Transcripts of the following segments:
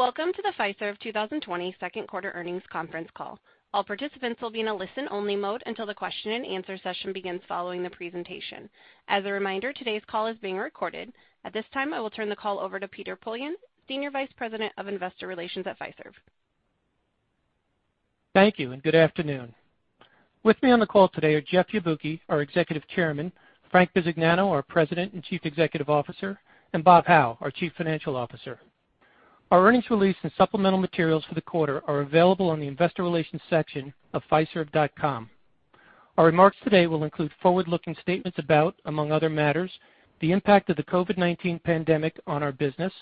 Welcome to the Fiserv 2020 second quarter earnings conference call. All participants will be in a listen-only mode until the question and answer session begins following the presentation. As a reminder, today's call is being recorded. At this time, I will turn the call over to Peter Poillon, senior vice president of investor relations at Fiserv. Thank you, and good afternoon. With me on the call today are Jeff Yabuki, our executive chairman, Frank Bisignano, our president and chief executive officer, and Bob Hau, our chief financial officer. Our earnings release and supplemental materials for the quarter are available on the investor relations section of fiserv.com. Our remarks today will include forward-looking statements about, among other matters, the impact of the COVID-19 pandemic on our business,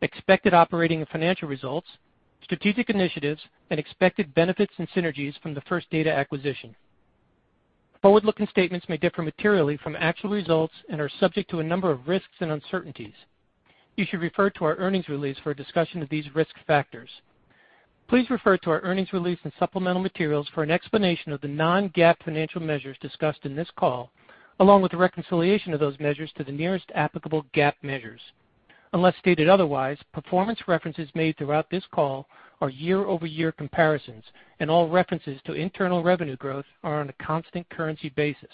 expected operating and financial results, strategic initiatives, and expected benefits and synergies from the First Data acquisition. Forward-looking statements may differ materially from actual results and are subject to a number of risks and uncertainties. You should refer to our earnings release for a discussion of these risk factors. Please refer to our earnings release and supplemental materials for an explanation of the non-GAAP financial measures discussed in this call, along with the reconciliation of those measures to the nearest applicable GAAP measures. Unless stated otherwise, performance references made throughout this call are year-over-year comparisons, and all references to internal revenue growth are on a constant currency basis.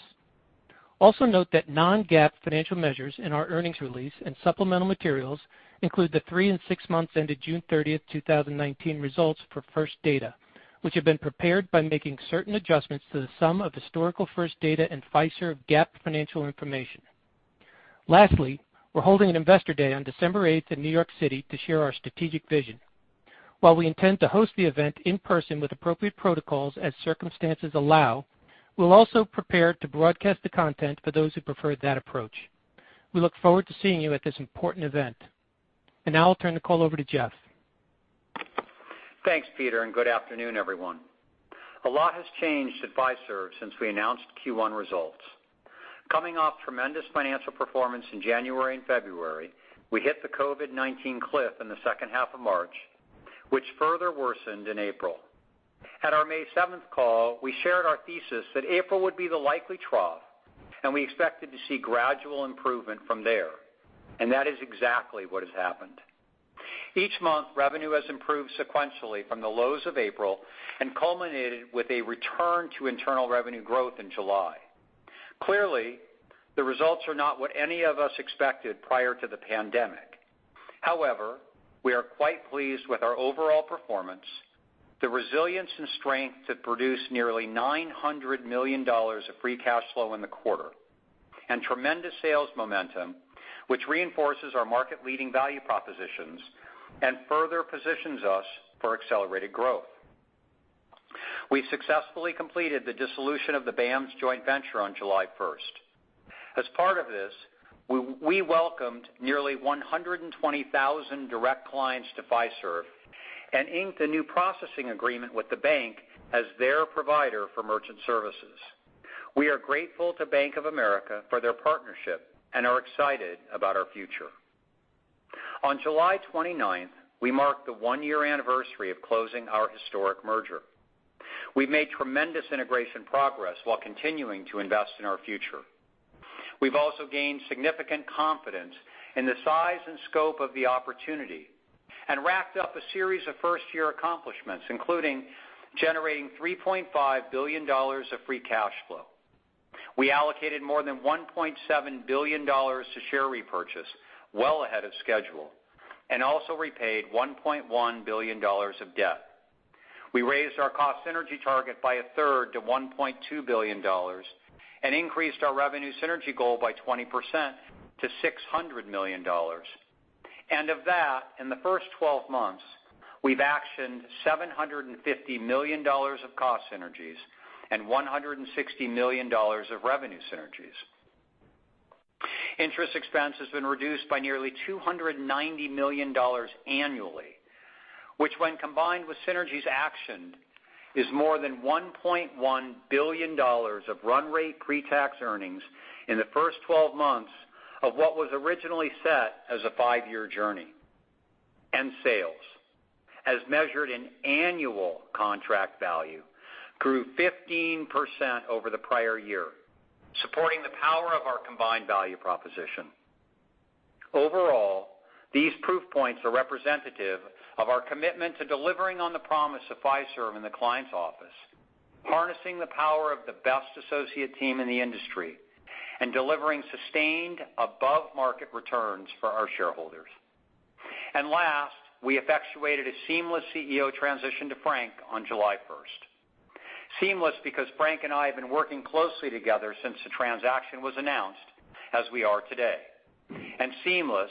Also note that non-GAAP financial measures in our earnings release and supplemental materials include the three and six months ended June 30, 2019 results for First Data, which have been prepared by making certain adjustments to the sum of historical First Data and Fiserv GAAP financial information. Lastly, we're holding an investor day on December 8th in New York City to share our strategic vision. While we intend to host the event in person with appropriate protocols as circumstances allow, we'll also prepare to broadcast the content for those who prefer that approach. We look forward to seeing you at this important event. Now I'll turn the call over to Jeff. Thanks, Peter, and good afternoon, everyone. A lot has changed at Fiserv since we announced Q1 results. Coming off tremendous financial performance in January and February, we hit the COVID-19 cliff in the second half of March, which further worsened in April. At our May 7th call, we shared our thesis that April would be the likely trough, and we expected to see gradual improvement from there, and that is exactly what has happened. Each month, revenue has improved sequentially from the lows of April and culminated with a return to internal revenue growth in July. Clearly, the results are not what any of us expected prior to the pandemic. However, we are quite pleased with our overall performance, the resilience and strength that produced nearly $900 million of free cash flow in the quarter, and tremendous sales momentum, which reinforces our market-leading value propositions and further positions us for accelerated growth. We successfully completed the dissolution of the BAMS joint venture on July 1st. As part of this, we welcomed nearly 120,000 direct clients to Fiserv and inked a new processing agreement with the bank as their provider for merchant services. We are grateful to Bank of America for their partnership and are excited about our future. On July 29th, we marked the one-year anniversary of closing our historic merger. We've made tremendous integration progress while continuing to invest in our future. We've also gained significant confidence in the size and scope of the opportunity and wrapped up a series of first-year accomplishments, including generating $3.5 billion of free cash flow. We allocated more than $1.7 billion to share repurchase, well ahead of schedule, and also repaid $1.1 billion of debt. We raised our cost synergy target by a third to $1.2 billion and increased our revenue synergy goal by 20% to $600 million. Of that, in the first 12 months, we've actioned $750 million of cost synergies and $160 million of revenue synergies. Interest expense has been reduced by nearly $290 million annually, which when combined with synergies action, is more than $1.1 billion of run rate pre-tax earnings in the first 12 months of what was originally set as a five-year journey. Sales, as measured in annual contract value, grew 15% over the prior year, supporting the power of our combined value proposition. Overall, these proof points are representative of our commitment to delivering on the promise of Fiserv in the client's office, harnessing the power of the best associate team in the industry, and delivering sustained above-market returns for our shareholders. Last, we effectuated a seamless CEO transition to Frank on July 1st. Seamless because Frank and I have been working closely together since the transaction was announced, as we are today. Seamless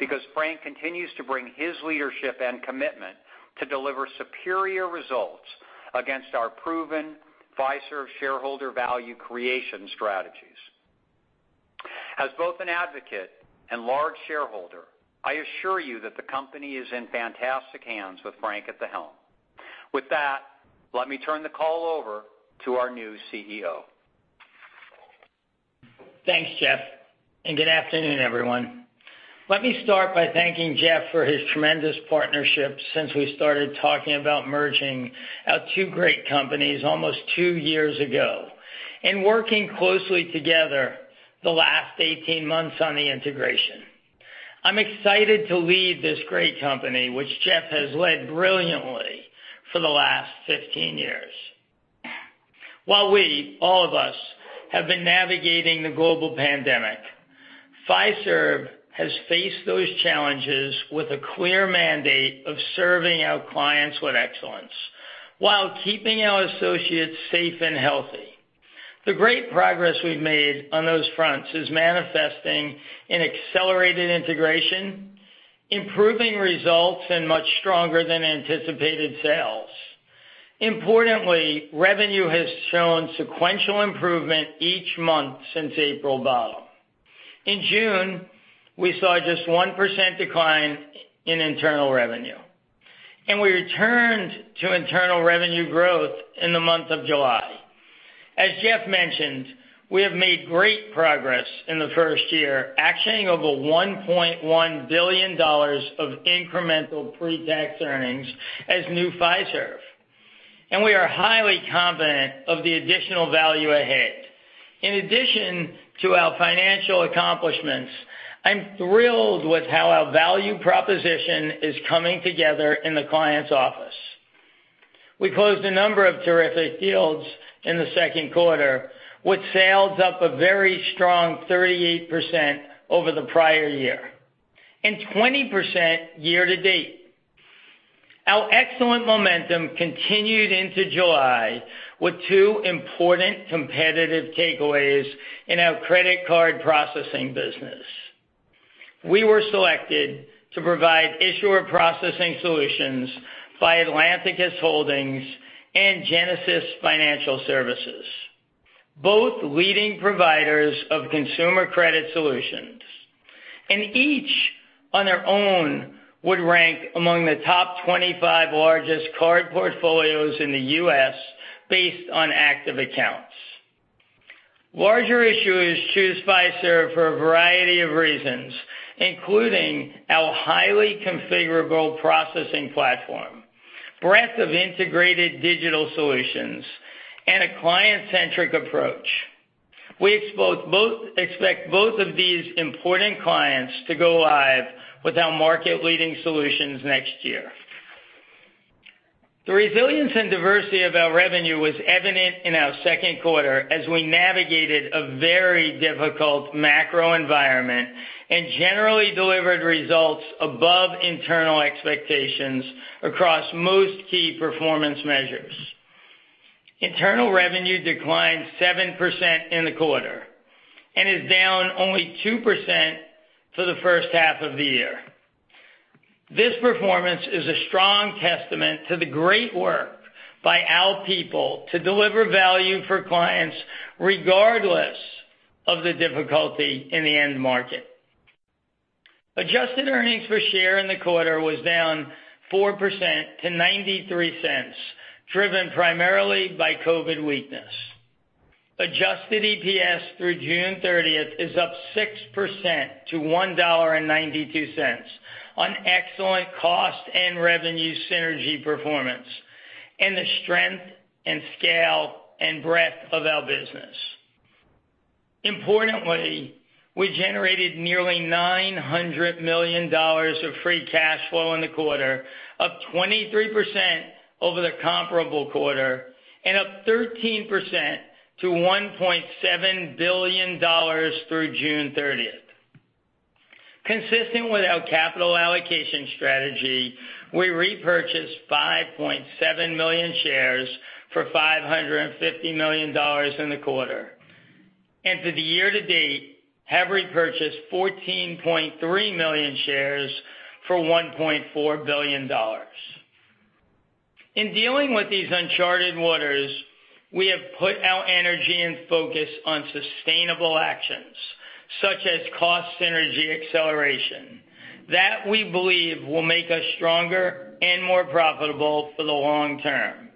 because Frank continues to bring his leadership and commitment to deliver superior results against our proven Fiserv shareholder value creation strategies. As both an advocate and large shareholder, I assure you that the company is in fantastic hands with Frank at the helm. With that, let me turn the call over to our new CEO. Thanks, Jeff, and good afternoon, everyone. Let me start by thanking Jeff for his tremendous partnership since we started talking about merging our two great companies almost two years ago. The last 18 months on the integration. I'm excited to lead this great company, which Jeff has led brilliantly for the last 15 years. While we, all of us, have been navigating the global pandemic, Fiserv has faced those challenges with a clear mandate of serving our clients with excellence while keeping our associates safe and healthy. The great progress we've made on those fronts is manifesting in accelerated integration, improving results, and much stronger than anticipated sales. Importantly, revenue has shown sequential improvement each month since April bottom. In June, we saw just 1% decline in internal revenue, and we returned to internal revenue growth in the month of July. As Jeff mentioned, we have made great progress in the first year, actioning over $1.1 billion of incremental pre-tax earnings as new Fiserv, and we are highly confident of the additional value ahead. In addition to our financial accomplishments, I'm thrilled with how our value proposition is coming together in the client's office. We closed a number of terrific deals in the second quarter, with sales up a very strong 38% over the prior year and 20% year to date. Our excellent momentum continued into July with two important competitive takeaways in our credit card processing business. We were selected to provide issuer processing solutions by Atlanticus Holdings and Genesis Financial Services, both leading providers of consumer credit solutions, and each on their own would rank among the top 25 largest card portfolios in the U.S. based on active accounts. Larger issuers choose Fiserv for a variety of reasons, including our highly configurable processing platform, breadth of integrated digital solutions, and a client-centric approach. We expect both of these important clients to go live with our market-leading solutions next year. The resilience and diversity of our revenue was evident in our second quarter as we navigated a very difficult macro environment and generally delivered results above internal expectations across most key performance measures. Internal revenue declined 7% in the quarter and is down only 2% for the first half of the year. This performance is a strong testament to the great work by our people to deliver value for clients regardless of the difficulty in the end market. Adjusted earnings per share in the quarter was down 4% to $0.93, driven primarily by COVID weakness. Adjusted EPS through June 30th is up 6% to $1.92 on excellent cost and revenue synergy performance and the strength and scale and breadth of our business. Importantly, we generated nearly $900 million of free cash flow in the quarter, up 23% over the comparable quarter and up 13% to $1.7 billion through June 30th. Consistent with our capital allocation strategy, we repurchased 5.7 million shares for $550 million in the quarter and to the year to date have repurchased 14.3 million shares for $1.4 billion. In dealing with these uncharted waters, we have put our energy and focus on sustainable actions such as cost synergy acceleration that we believe will make us stronger and more profitable for the long term.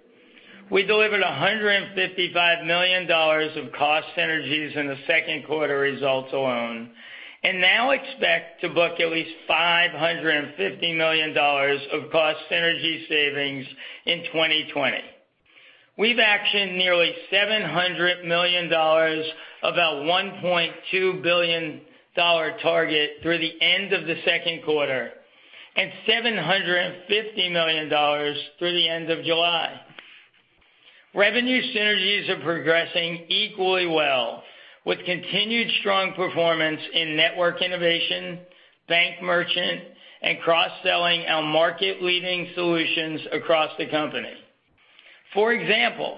We delivered $155 million of cost synergies in the second quarter results alone and now expect to book at least $550 million of cost synergy savings in 2020. We've actioned nearly $700 million of our $1.2 billion target through the end of the second quarter and $750 million through the end of July. Revenue synergies are progressing equally well with continued strong performance in network innovation, bank merchant, and cross-selling our market-leading solutions across the company. For example,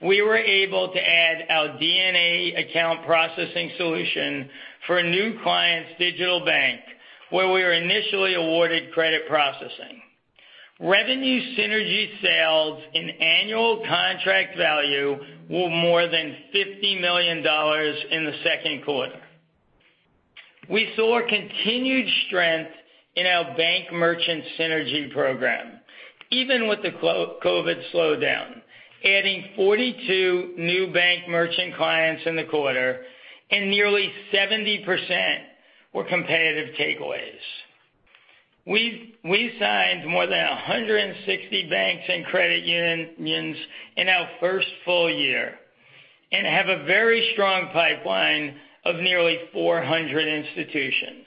we were able to add our DNA account processing solution for a new client's digital bank where we were initially awarded credit processing. Revenue synergy sales in annual contract value were more than $50 million in the second quarter. We saw continued strength in our bank merchant synergy program even with the COVID-19 slowdown, adding 42 new bank merchant clients in the quarter and nearly 70% were competitive takeaways. We signed more than 160 banks and credit unions in our first full year and have a very strong pipeline of nearly 400 institutions.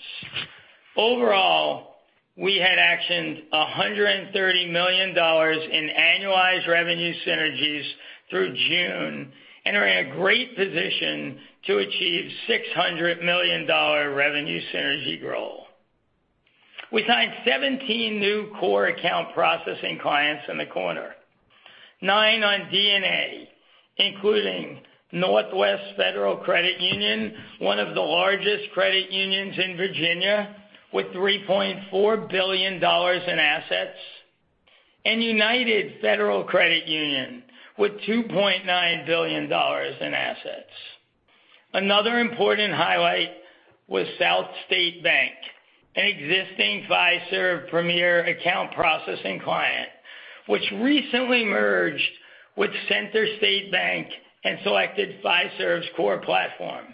Overall, we had actioned $130 million in annualized revenue synergies through June and are in a great position to achieve $600 million revenue synergy goal. We signed 17 new core account processing clients in the quarter. Nine on DNA, including Northwest Federal Credit Union, one of the largest credit unions in Virginia with $3.4 billion in assets, and United Federal Credit Union with $2.9 billion in assets. Another important highlight was SouthState Bank, an existing Fiserv Premier account processing client, which recently merged with CenterState Bank and selected Fiserv's core platform,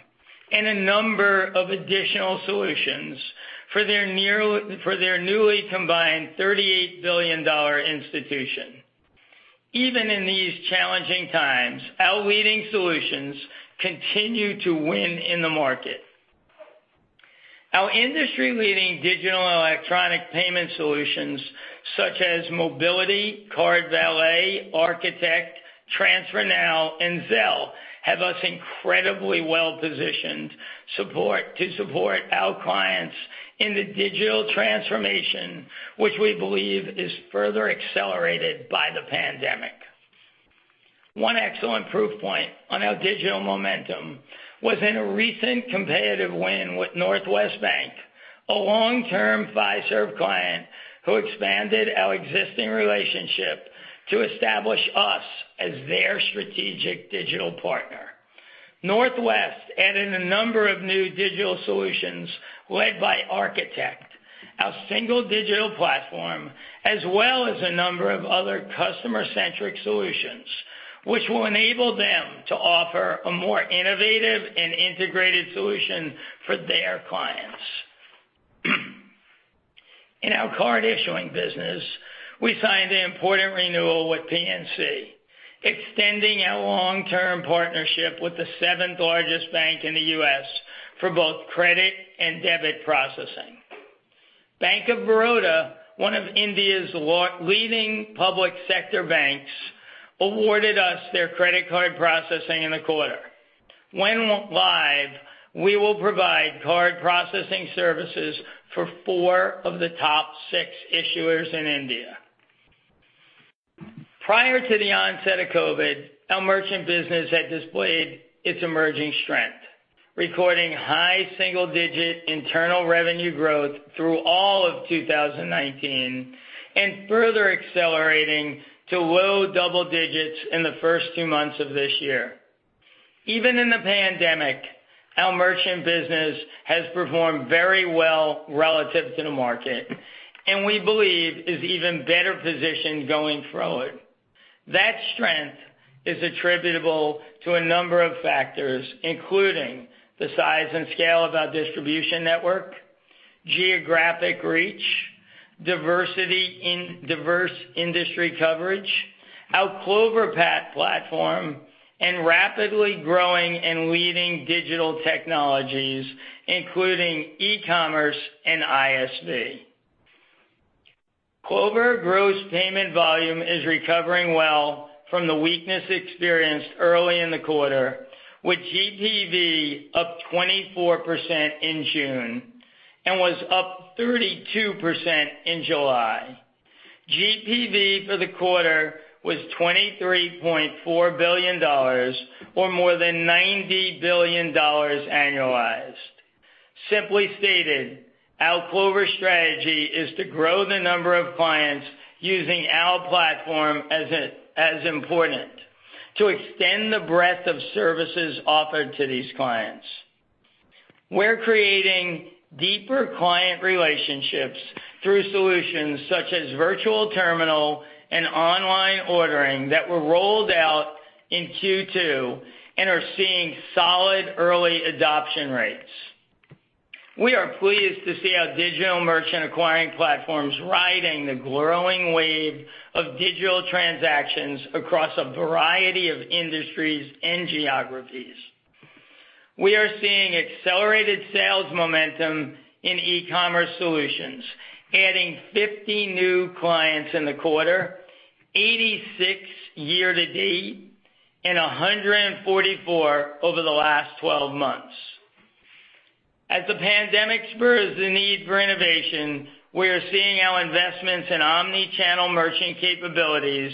and a number of additional solutions for their newly combined $38 billion institution. Even in these challenging times, our leading solutions continue to win in the market. Our industry-leading digital and electronic payment solutions, such as Mobiliti, CardValet, Architect, TransferNow, and Zelle, have us incredibly well-positioned to support our clients in the digital transformation, which we believe is further accelerated by the pandemic. One excellent proof point on our digital momentum was in a recent competitive win with Northwest Bank, a long-term Fiserv client who expanded our existing relationship to establish us as their strategic digital partner. Northwest added a number of new digital solutions led by Architect, our single digital platform, as well as a number of other customer-centric solutions, which will enable them to offer a more innovative and integrated solution for their clients. In our card-issuing business, we signed an important renewal with PNC, extending our long-term partnership with the seventh-largest bank in the U.S. for both credit and debit processing. Bank of Baroda, one of India's leading public sector banks, awarded us their credit card processing in the quarter. When live, we will provide card processing services for four of the top six issuers in India. Prior to the onset of COVID, our merchant business had displayed its emerging strength, recording high single-digit internal revenue growth through all of 2019, and further accelerating to low double digits in the first two months of this year. Even in the pandemic, our merchant business has performed very well relative to the market, and we believe is even better positioned going forward. That strength is attributable to a number of factors, including the size and scale of our distribution network, geographic reach, diverse industry coverage, our Clover platform, and rapidly growing and leading digital technologies, including e-commerce and ISV. Clover gross payment volume is recovering well from the weakness experienced early in the quarter, with GPV up 24% in June and was up 32% in July. GPV for the quarter was $23.4 billion, or more than $90 billion annualized. Simply stated, our Clover strategy is to grow the number of clients using our platform as important to extend the breadth of services offered to these clients. We're creating deeper client relationships through solutions such as Virtual Terminal and online ordering that were rolled out in Q2 and are seeing solid early adoption rates. We are pleased to see our digital merchant acquiring platforms riding the growing wave of digital transactions across a variety of industries and geographies. We are seeing accelerated sales momentum in e-commerce solutions, adding 50 new clients in the quarter, 86 year-to-date, and 144 over the last 12 months. As the pandemic spurs the need for innovation, we are seeing our investments in omni-channel merchant capabilities,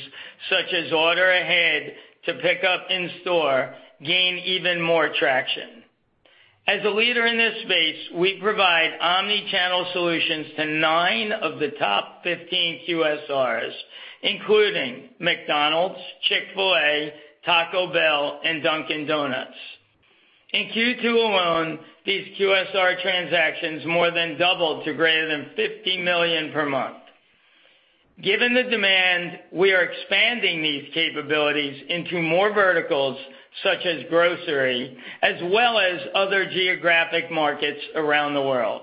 such as Order Ahead to Pick Up In-Store, gain even more traction. As a leader in this space, we provide omni-channel solutions to nine of the top 15 QSRs, including McDonald's, Chick-fil-A, Taco Bell, and Dunkin' Donuts. In Q2 alone, these QSR transactions more than doubled to greater than 50 million per month. Given the demand, we are expanding these capabilities into more verticals such as grocery, as well as other geographic markets around the world.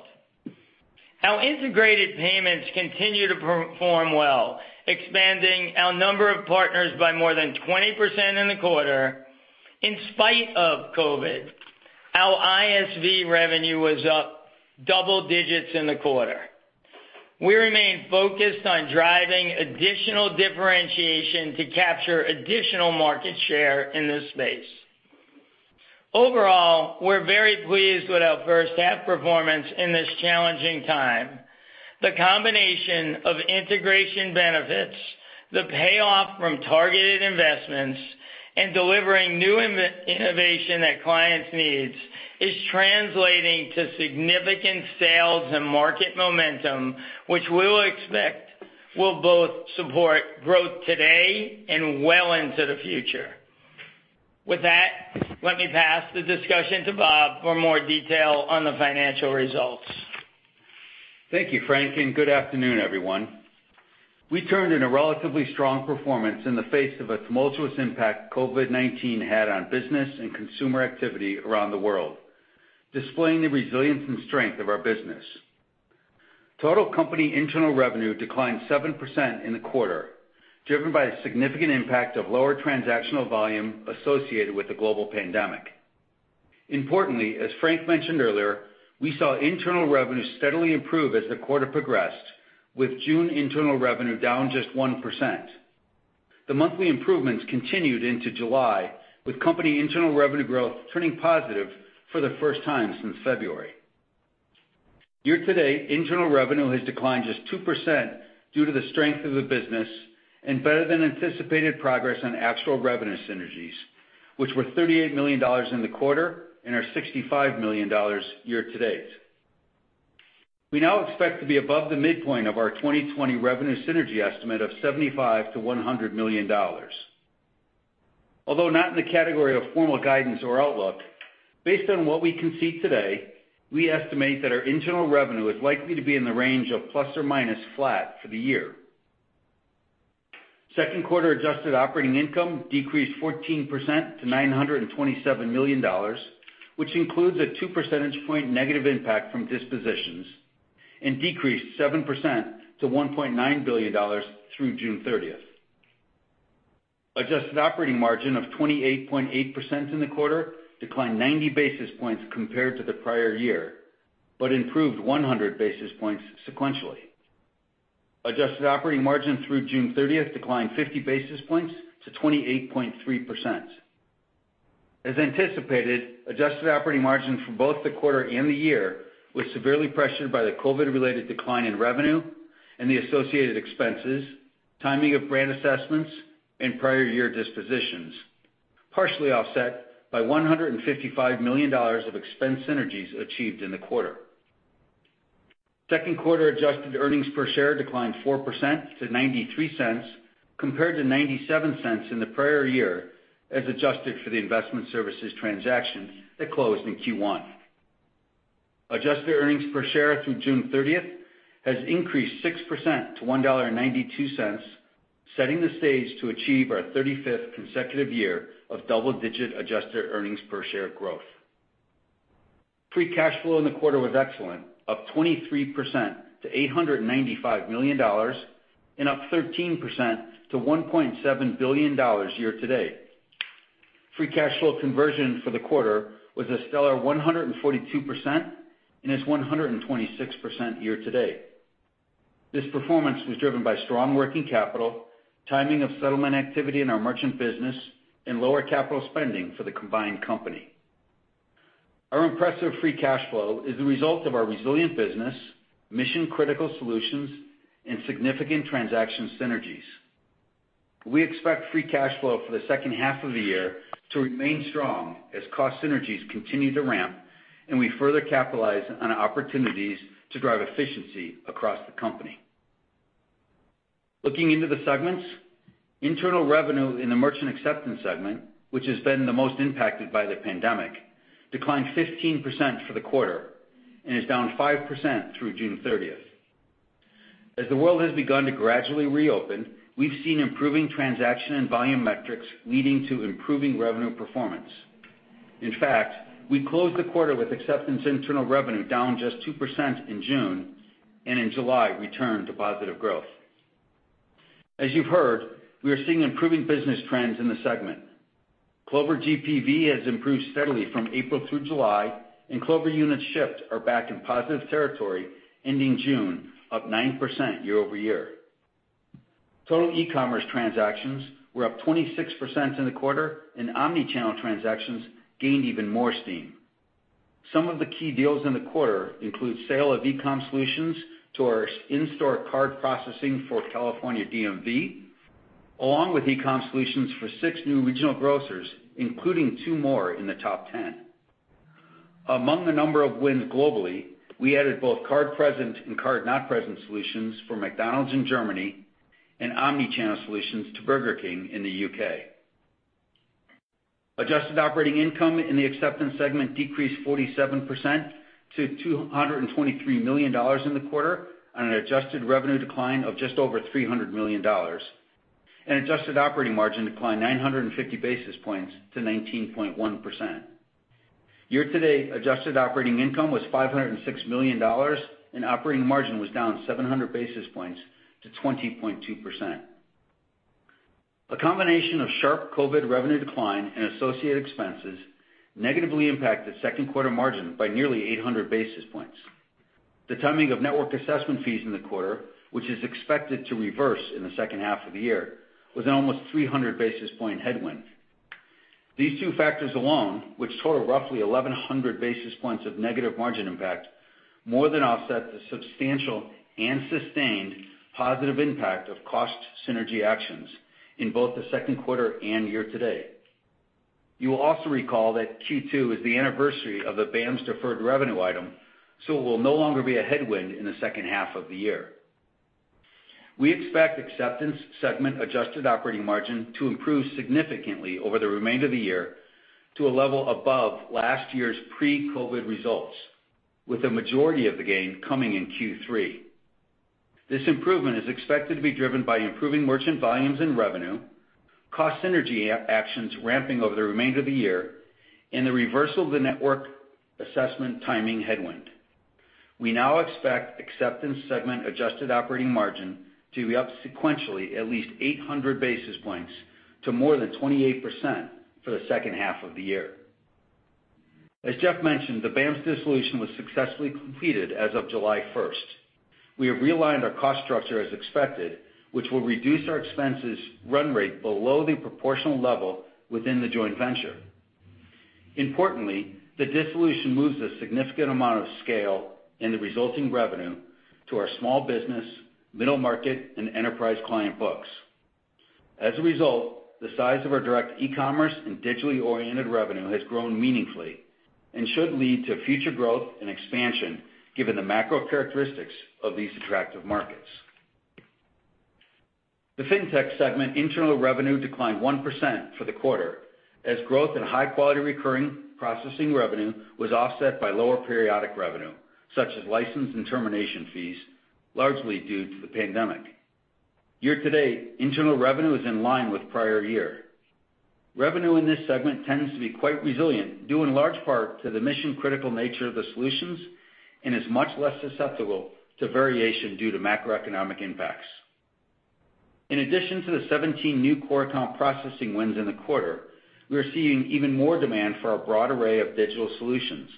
Our integrated payments continue to perform well, expanding our number of partners by more than 20% in the quarter. In spite of COVID, our ISV revenue was up double digits in the quarter. We remain focused on driving additional differentiation to capture additional market share in this space. Overall, we're very pleased with our first half performance in this challenging time. The combination of integration benefits, the payoff from targeted investments, and delivering new innovation at clients' needs is translating to significant sales and market momentum, which we will expect will both support growth today and well into the future. With that, let me pass the discussion to Bob for more detail on the financial results. Thank you, Frank. Good afternoon, everyone. We turned in a relatively strong performance in the face of a tumultuous impact COVID-19 had on business and consumer activity around the world, displaying the resilience and strength of our business. Total company internal revenue declined 7% in the quarter, driven by a significant impact of lower transactional volume associated with the global pandemic. Importantly, as Frank mentioned earlier, we saw internal revenue steadily improve as the quarter progressed, with June internal revenue down just 1%. The monthly improvements continued into July, with company internal revenue growth turning positive for the first time since February. Year-to-date, internal revenue has declined just 2% due to the strength of the business and better than anticipated progress on actual revenue synergies, which were $38 million in the quarter and are $65 million year-to-date. We now expect to be above the midpoint of our 2020 revenue synergy estimate of $75 million-$100 million. Although not in the category of formal guidance or outlook, based on what we can see today, we estimate that our internal revenue is likely to be in the range of ± flat for the year. Second quarter adjusted operating income decreased 14% to $927 million, which includes a two percentage point negative impact from dispositions and decreased 7% to $1.9 billion through June 30th. Adjusted operating margin of 28.8% in the quarter declined 90 basis points compared to the prior year, but improved 100 basis points sequentially. Adjusted operating margin through June 30th declined 50 basis points to 28.3%. As anticipated, adjusted operating margin for both the quarter and the year was severely pressured by the COVID-19-related decline in revenue and the associated expenses, timing of brand assessments, and prior year dispositions, partially offset by $155 million of expense synergies achieved in the quarter. Second quarter adjusted earnings per share declined 4% to $0.93 compared to $0.97 in the prior year, as adjusted for the investment services transaction that closed in Q1. Adjusted earnings per share through June 30th has increased 6% to $1.92, setting the stage to achieve our 35th consecutive year of double-digit adjusted earnings per share growth. Free cash flow in the quarter was excellent, up 23% to $895 million and up 13% to $1.7 billion year-to-date. Free cash flow conversion for the quarter was a stellar 142% and is 126% year-to-date. This performance was driven by strong working capital, timing of settlement activity in our merchant business, and lower capital spending for the combined company. Our impressive free cash flow is the result of our resilient business, mission-critical solutions, and significant transaction synergies. We expect free cash flow for the second half of the year to remain strong as cost synergies continue to ramp and we further capitalize on opportunities to drive efficiency across the company. Looking into the segments, internal revenue in the merchant acceptance segment, which has been the most impacted by the pandemic, declined 15% for the quarter and is down 5% through June 30th. As the world has begun to gradually reopen, we've seen improving transaction and volume metrics leading to improving revenue performance. In fact, we closed the quarter with acceptance internal revenue down just 2% in June, and in July, returned to positive growth. As you've heard, we are seeing improving business trends in the segment. Clover GPV has improved steadily from April through July, and Clover units shipped are back in positive territory ending June, up 9% year-over-year. Total e-commerce transactions were up 26% in the quarter, and omni-channel transactions gained even more steam. Some of the key deals in the quarter include sale of e-com solutions to our in-store card processing for California DMV, along with e-com solutions for six new regional grocers, including two more in the top 10. Among the number of wins globally, we added both card-present and card-not-present solutions for McDonald's in Germany and omni-channel solutions to Burger King in the U.K. Adjusted operating income in the acceptance segment decreased 47% to $223 million in the quarter on an adjusted revenue decline of just over $300 million, and adjusted operating margin declined 950 basis points to 19.1%. Year-to-date adjusted operating income was $506 million, and operating margin was down 700 basis points to 20.2%. A combination of sharp COVID-19 revenue decline and associated expenses negatively impacted second quarter margin by nearly 800 basis points. The timing of network assessment fees in the quarter, which is expected to reverse in the second half of the year, was an almost 300 basis point headwind. These two factors alone, which total roughly 1,100 basis points of negative margin impact, more than offset the substantial and sustained positive impact of cost synergy actions in both the second quarter and year-to-date. You will also recall that Q2 is the anniversary of the BAMS deferred revenue item, so it will no longer be a headwind in the second half of the year. We expect acceptance segment adjusted operating margin to improve significantly over the remainder of the year to a level above last year's pre-COVID results, with the majority of the gain coming in Q3. This improvement is expected to be driven by improving merchant volumes and revenue, cost synergy actions ramping over the remainder of the year, and the reversal of the network assessment timing headwind. We now expect acceptance segment adjusted operating margin to be up sequentially at least 800 basis points to more than 28% for the second half of the year. As Jeff mentioned, the BAMS dissolution was successfully completed as of July 1st. We have realigned our cost structure as expected, which will reduce our expenses run rate below the proportional level within the joint venture. Importantly, the dissolution moves a significant amount of scale and the resulting revenue to our small business, middle market, and enterprise client books. As a result, the size of our direct e-commerce and digitally oriented revenue has grown meaningfully and should lead to future growth and expansion given the macro characteristics of these attractive markets. The Fintech segment internal revenue declined 1% for the quarter as growth in high-quality recurring processing revenue was offset by lower periodic revenue, such as license and termination fees, largely due to the pandemic. Year-to-date, internal revenue is in line with prior year. Revenue in this segment tends to be quite resilient, due in large part to the mission-critical nature of the solutions and is much less susceptible to variation due to macroeconomic impacts. In addition to the 17 new core account processing wins in the quarter, we are seeing even more demand for our broad array of digital solutions.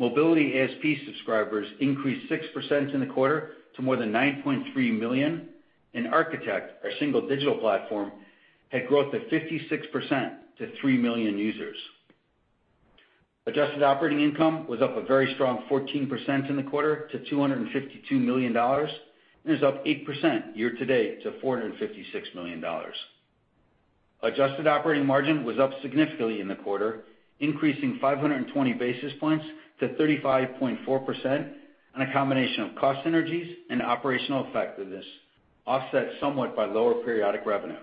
Mobiliti ASP subscribers increased 6% in the quarter to more than 9.3 million, and Architect, our single digital platform, had growth of 56% to 3 million users. Adjusted operating income was up a very strong 14% in the quarter to $252 million and is up 8% year-to-date to $456 million. Adjusted operating margin was up significantly in the quarter, increasing 520 basis points to 35.4% on a combination of cost synergies and operational effectiveness, offset somewhat by lower periodic revenue.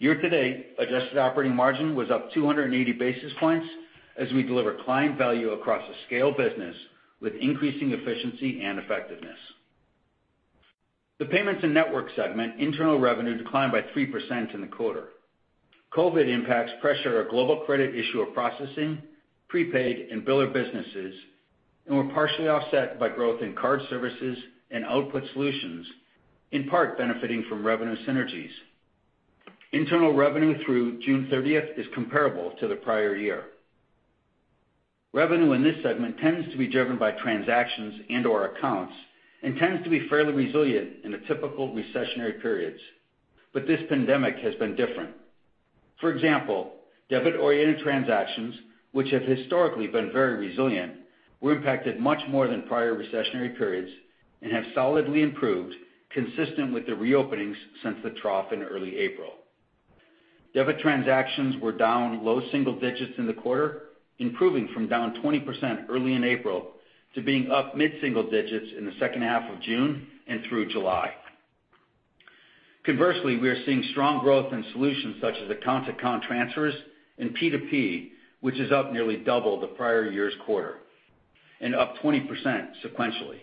Year-to-date adjusted operating margin was up 280 basis points as we deliver client value across a scaled business with increasing efficiency and effectiveness. The Payments and Network segment internal revenue declined by 3% in the quarter. COVID impacts pressure our global credit issuer processing, prepaid, and biller businesses and were partially offset by growth in card services and output solutions, in part benefiting from revenue synergies. Internal revenue through June 30th is comparable to the prior year. Revenue in this segment tends to be driven by transactions and/or accounts and tends to be fairly resilient in the typical recessionary periods, but this pandemic has been different. For example, debit-oriented transactions, which have historically been very resilient, were impacted much more than prior recessionary periods and have solidly improved consistent with the reopenings since the trough in early April. Debit transactions were down low single digits in the quarter, improving from down 20% early in April to being up mid-single digits in the second half of June and through July. Conversely, we are seeing strong growth in solutions such as account-to-account transfers and P2P, which is up nearly double the prior year's quarter and up 20% sequentially.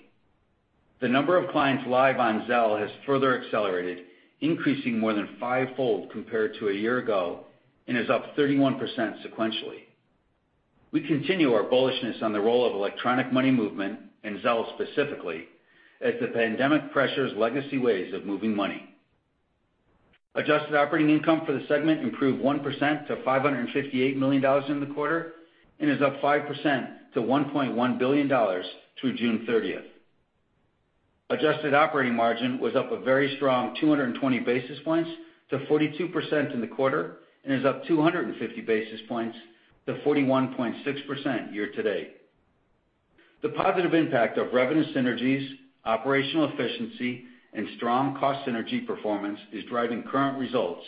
The number of clients live on Zelle has further accelerated, increasing more than 5x compared to a year ago and is up 31% sequentially. We continue our bullishness on the role of electronic money movement, and Zelle specifically, as the pandemic pressures legacy ways of moving money. Adjusted operating income for the segment improved 1% to $558 million in the quarter and is up 5% to $1.1 billion through June 30th. Adjusted operating margin was up a very strong 220 basis points to 42% in the quarter and is up 250 basis points to 41.6% year-to-date. The positive impact of revenue synergies, operational efficiency, and strong cost synergy performance is driving current results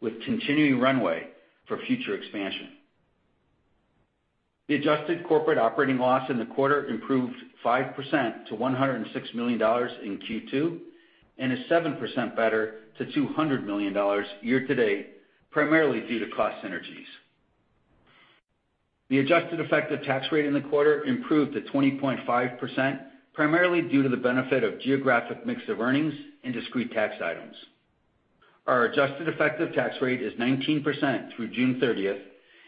with continuing runway for future expansion. The adjusted corporate operating loss in the quarter improved 5% to $106 million in Q2, and is 7% better to $200 million year to date, primarily due to cost synergies. The adjusted effective tax rate in the quarter improved to 20.5%, primarily due to the benefit of geographic mix of earnings and discrete tax items. Our adjusted effective tax rate is 19% through June 30th,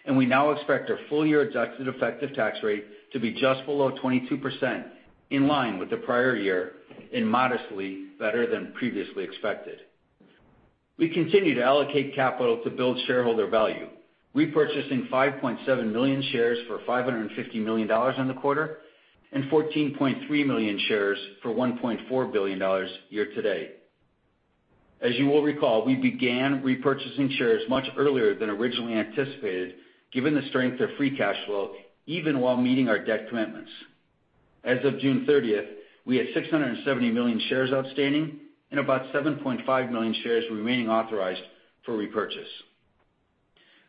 and we now expect our full year adjusted effective tax rate to be just below 22%, in line with the prior year and modestly better than previously expected. We continue to allocate capital to build shareholder value, repurchasing 5.7 million shares for $550 million in the quarter, and 14.3 million shares for $1.4 billion year to date. As you will recall, we began repurchasing shares much earlier than originally anticipated, given the strength of free cash flow, even while meeting our debt commitments. As of June 30th, we had 670 million shares outstanding and about 7.5 million shares remaining authorized for repurchase.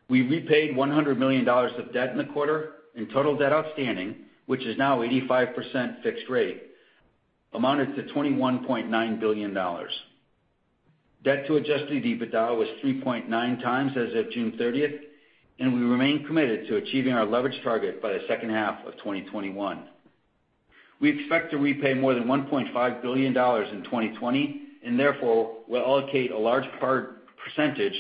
We repaid $100 million of debt in the quarter, and total debt outstanding, which is now 85% fixed rate, amounted to $21.9 billion. Debt to adjusted EBITDA was 3.9x as of June 30th, and we remain committed to achieving our leverage target by the second half of 2021. We expect to repay more than $1.5 billion in 2020, and therefore, will allocate a large percentage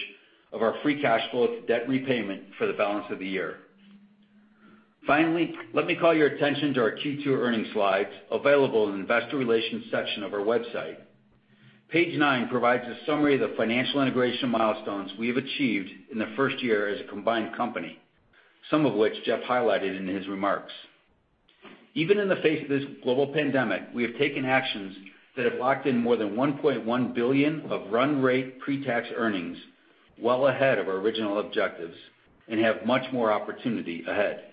of our free cash flow to debt repayment for the balance of the year. Finally, let me call your attention to our Q2 earnings slides, available in the investor relations section of our website. Page nine provides a summary of the financial integration milestones we have achieved in the first year as a combined company, some of which Jeff highlighted in his remarks. Even in the face of this global pandemic, we have taken actions that have locked in more than $1.1 billion of run rate pre-tax earnings well ahead of our original objectives and have much more opportunity ahead.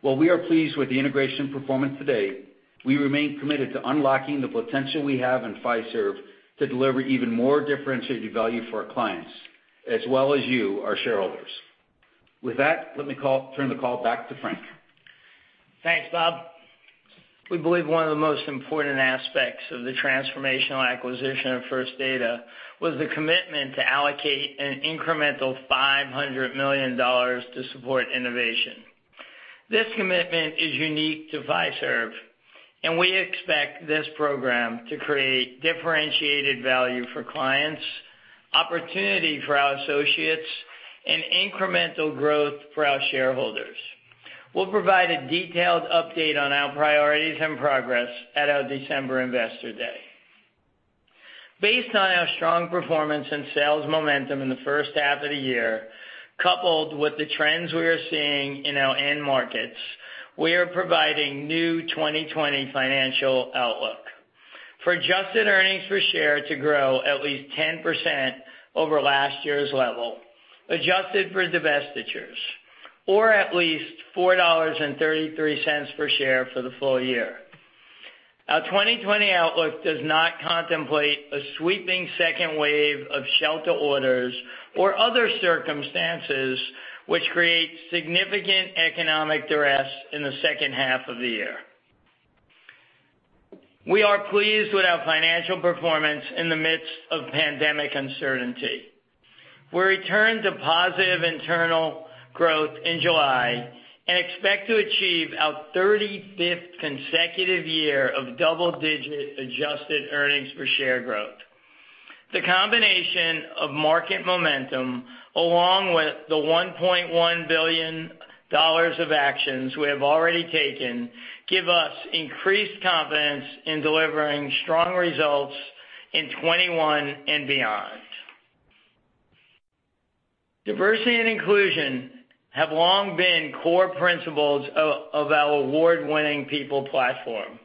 While we are pleased with the integration performance to date, we remain committed to unlocking the potential we have in Fiserv to deliver even more differentiated value for our clients, as well as you, our shareholders. With that, let me turn the call back to Frank. Thanks, Bob. We believe one of the most important aspects of the transformational acquisition of First Data was the commitment to allocate an incremental $500 million to support innovation. This commitment is unique to Fiserv. We expect this program to create differentiated value for clients, opportunity for our associates, and incremental growth for our shareholders. We'll provide a detailed update on our priorities and progress at our December investor day. Based on our strong performance and sales momentum in the first half of the year, coupled with the trends we are seeing in our end markets, we are providing new 2020 financial outlook for adjusted earnings per share to grow at least 10% over last year's level, adjusted for divestitures, or at least $4.33 per share for the full year. Our 2020 outlook does not contemplate a sweeping second wave of shelter orders or other circumstances which create significant economic duress in the second half of the year. We are pleased with our financial performance in the midst of pandemic uncertainty. We returned to positive internal growth in July and expect to achieve our 35th consecutive year of double-digit adjusted earnings per share growth. The combination of market momentum, along with the $1.1 billion of actions we have already taken, give us increased confidence in delivering strong results in 2021 and beyond. Diversity and inclusion have long been core principles of our award-winning People platform.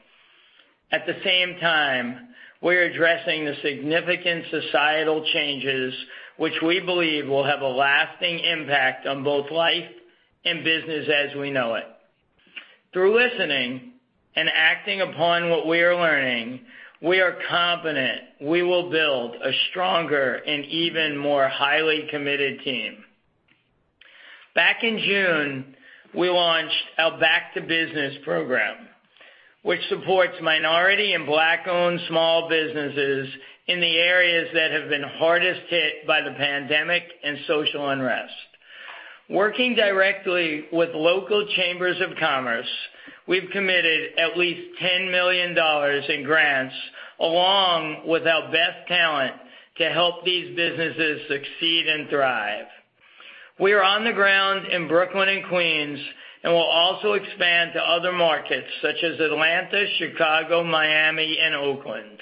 At the same time, we're addressing the significant societal changes, which we believe will have a lasting impact on both life and business as we know it. Through listening and acting upon what we are learning, we are confident we will build a stronger and even more highly committed team. Back in June, we launched our Back2Business program, which supports minority and Black-owned small businesses in the areas that have been hardest hit by the pandemic and social unrest. Working directly with local chambers of commerce, we've committed at least $10 million in grants, along with our best talent to help these businesses succeed and thrive. We are on the ground in Brooklyn and Queens and will also expand to other markets such as Atlanta, Chicago, Miami, and Oakland.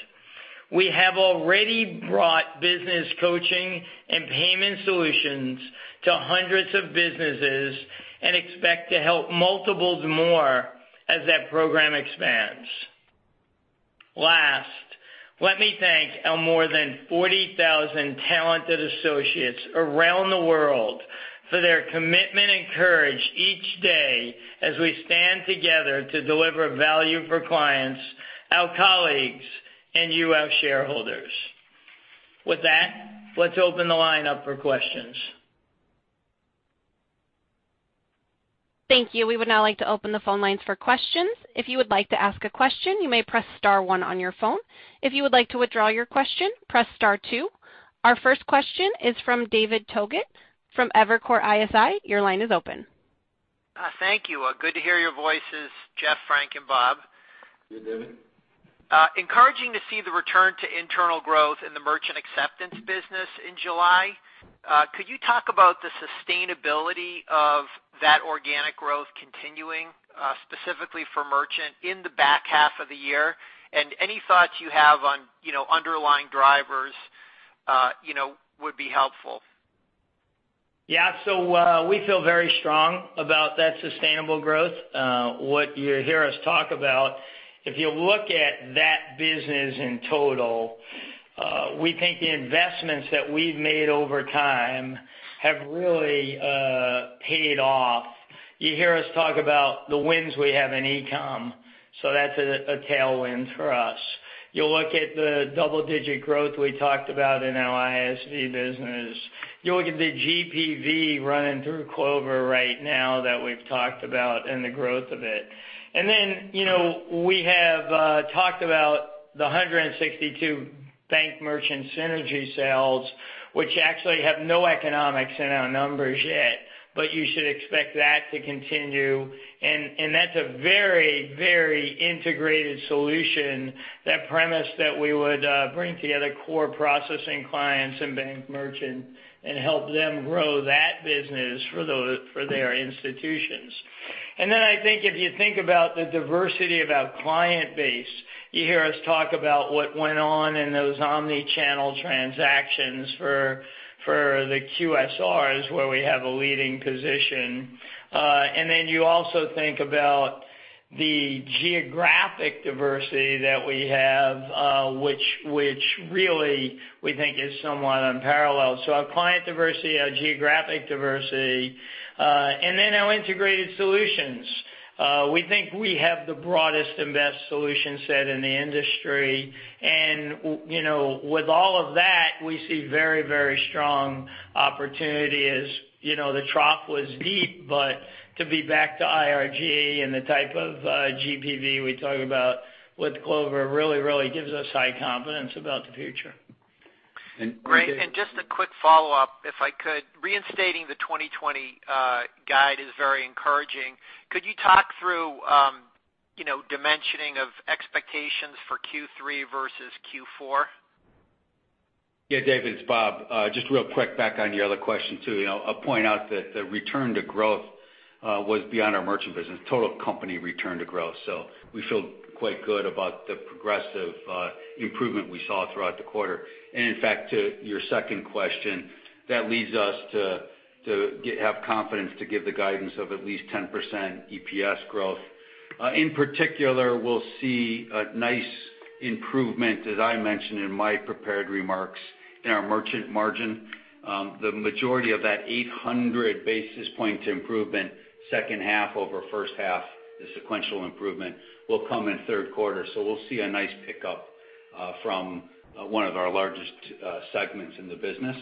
We have already brought business coaching and payment solutions to hundreds of businesses and expect to help multiples more as that program expands. Last, let me thank our more than 40,000 talented associates around the world for their commitment and courage each day as we stand together to deliver value for clients, our colleagues, and you, our shareholders. With that, let's open the line up for questions. Thank you. We would now like to open the phone lines for questions. If you would like to ask a question, you may press star one on your phone. If you would like to withdraw your question, press star two. Our first question is from David Togut from Evercore ISI. Your line is open. Thank you. Good to hear your voices, Jeff, Frank, and Bob. Good, David. Encouraging to see the return to internal growth in the merchant acceptance business in July. Could you talk about the sustainability of that organic growth continuing, specifically for merchant in the back half of the year? Any thoughts you have on underlying drivers would be helpful. Yeah. We feel very strong about that sustainable growth. What you hear us talk about, if you look at that business in total, we think the investments that we've made over time have really paid off. You hear us talk about the wins we have in e-com, so that's a tailwind for us. You'll look at the double-digit growth we talked about in our ISV business. You'll look at the GPV running through Clover right now that we've talked about and the growth of it. We have talked about the 162 bank merchant synergy sales, which actually have no economics in our numbers yet, but you should expect that to continue. That's a very integrated solution, that premise that we would bring together core processing clients and bank merchant and help them grow that business for their institutions. I think if you think about the diversity of our client base, you hear us talk about what went on in those omni-channel transactions for the QSRs, where we have a leading position. You also think about the geographic diversity that we have, which really we think is somewhat unparalleled. Our client diversity, our geographic diversity, and then our integrated solutions. We think we have the broadest and best solution set in the industry. With all of that, we see very strong opportunity as the trough was deep, but to be back to IRG and the type of GPV we talk about with Clover really gives us high confidence about the future. Great. Just a quick follow-up, if I could. Reinstating the 2020 guide is very encouraging. Could you talk through dimensioning of expectations for Q3 versus Q4? Yeah, David, it's Bob. Just real quick back on your other question too. I'll point out that the return to growth was beyond our merchant business, total company return to growth. We feel quite good about the progressive improvement we saw throughout the quarter. In fact, to your second question, that leads us to have confidence to give the guidance of at least 10% EPS growth. In particular, we'll see a nice improvement, as I mentioned in my prepared remarks, in our merchant margin. The majority of that 800 basis points improvement second half over first half, the sequential improvement will come in third quarter. We'll see a nice pickup from one of our largest segments in the business.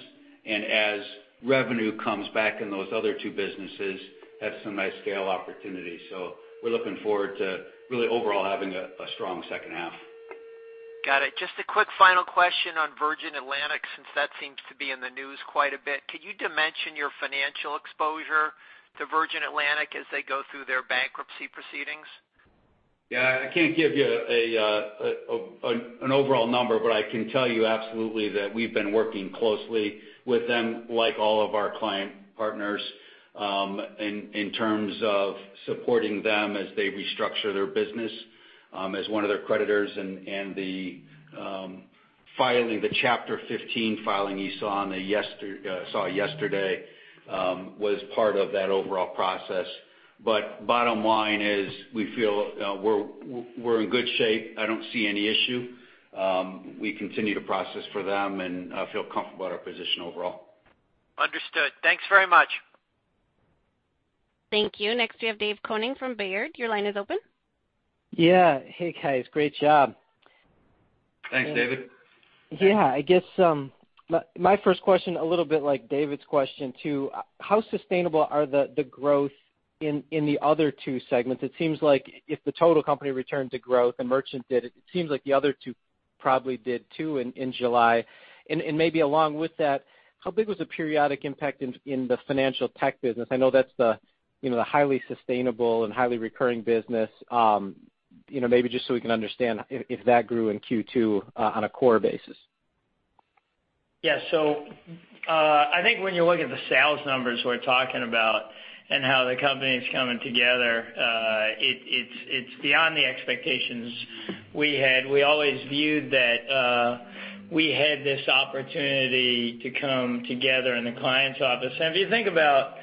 As revenue comes back in those other two businesses, that's some nice scale opportunity. We're looking forward to really overall having a strong second half. Got it. Just a quick final question on Virgin Atlantic, since that seems to be in the news quite a bit. Could you dimension your financial exposure to Virgin Atlantic as they go through their bankruptcy proceedings? Yeah, I can't give you an overall number, but I can tell you absolutely that we've been working closely with them, like all of our client partners, in terms of supporting them as they restructure their business as one of their creditors and the Chapter 15 filing you saw yesterday was part of that overall process. Bottom line is we feel we're in good shape. I don't see any issue. We continue to process for them and feel comfortable about our position overall. Understood. Thanks very much. Thank you. Next we have David Koning from Baird. Your line is open. Yeah. Hey, guys. Great job. Thanks, David. Yeah. I guess my first question, a little bit like David's question, too. How sustainable are the growth in the other two segments? It seems like if the total company returned to growth and merchant did, it seems like the other two probably did too in July. Maybe along with that, how big was the periodic impact in the financial tech business? I know that's the highly sustainable and highly recurring business. Maybe just so we can understand if that grew in Q2 on a core basis. Yeah. I think when you look at the sales numbers we're talking about and how the company's coming together, it's beyond the expectations we had. We always viewed that we had this opportunity to come together in the client's office. If you think about.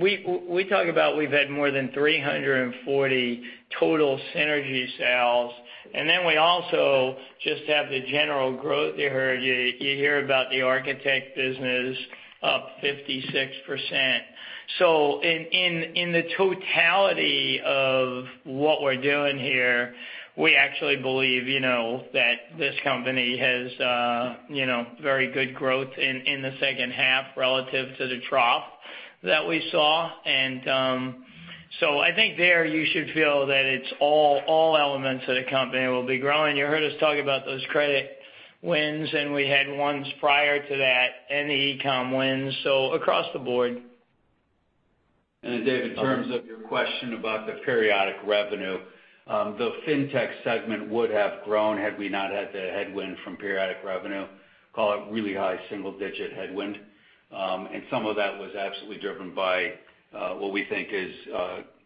We talk about we've had more than 340 total synergy sales, and then we also just have the general growth there. You hear about the Architect business up 56%. In the totality of what we're doing here. We actually believe that this company has very good growth in the second half relative to the trough that we saw. I think there you should feel that it's all elements of the company will be growing. You heard us talk about those credit wins, and we had ones prior to that and the eCom wins, so across the board. Dave, in terms of your question about the periodic revenue, the fintech segment would have grown had we not had the headwind from periodic revenue, call it really high single-digit headwind. Some of that was absolutely driven by what we think is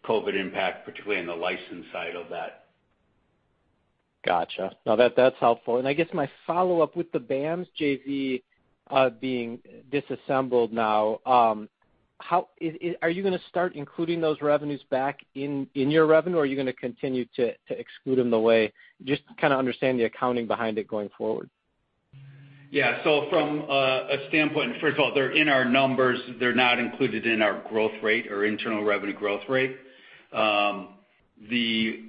COVID impact, particularly on the license side of that. Got you. No, that's helpful. I guess my follow-up with the BAMS JV being disassembled now, are you going to start including those revenues back in your revenue, or are you going to continue to exclude them? Just to kind of understand the accounting behind it going forward. Yeah. From a standpoint, first of all, they're in our numbers, they're not included in our growth rate or internal revenue growth rate. The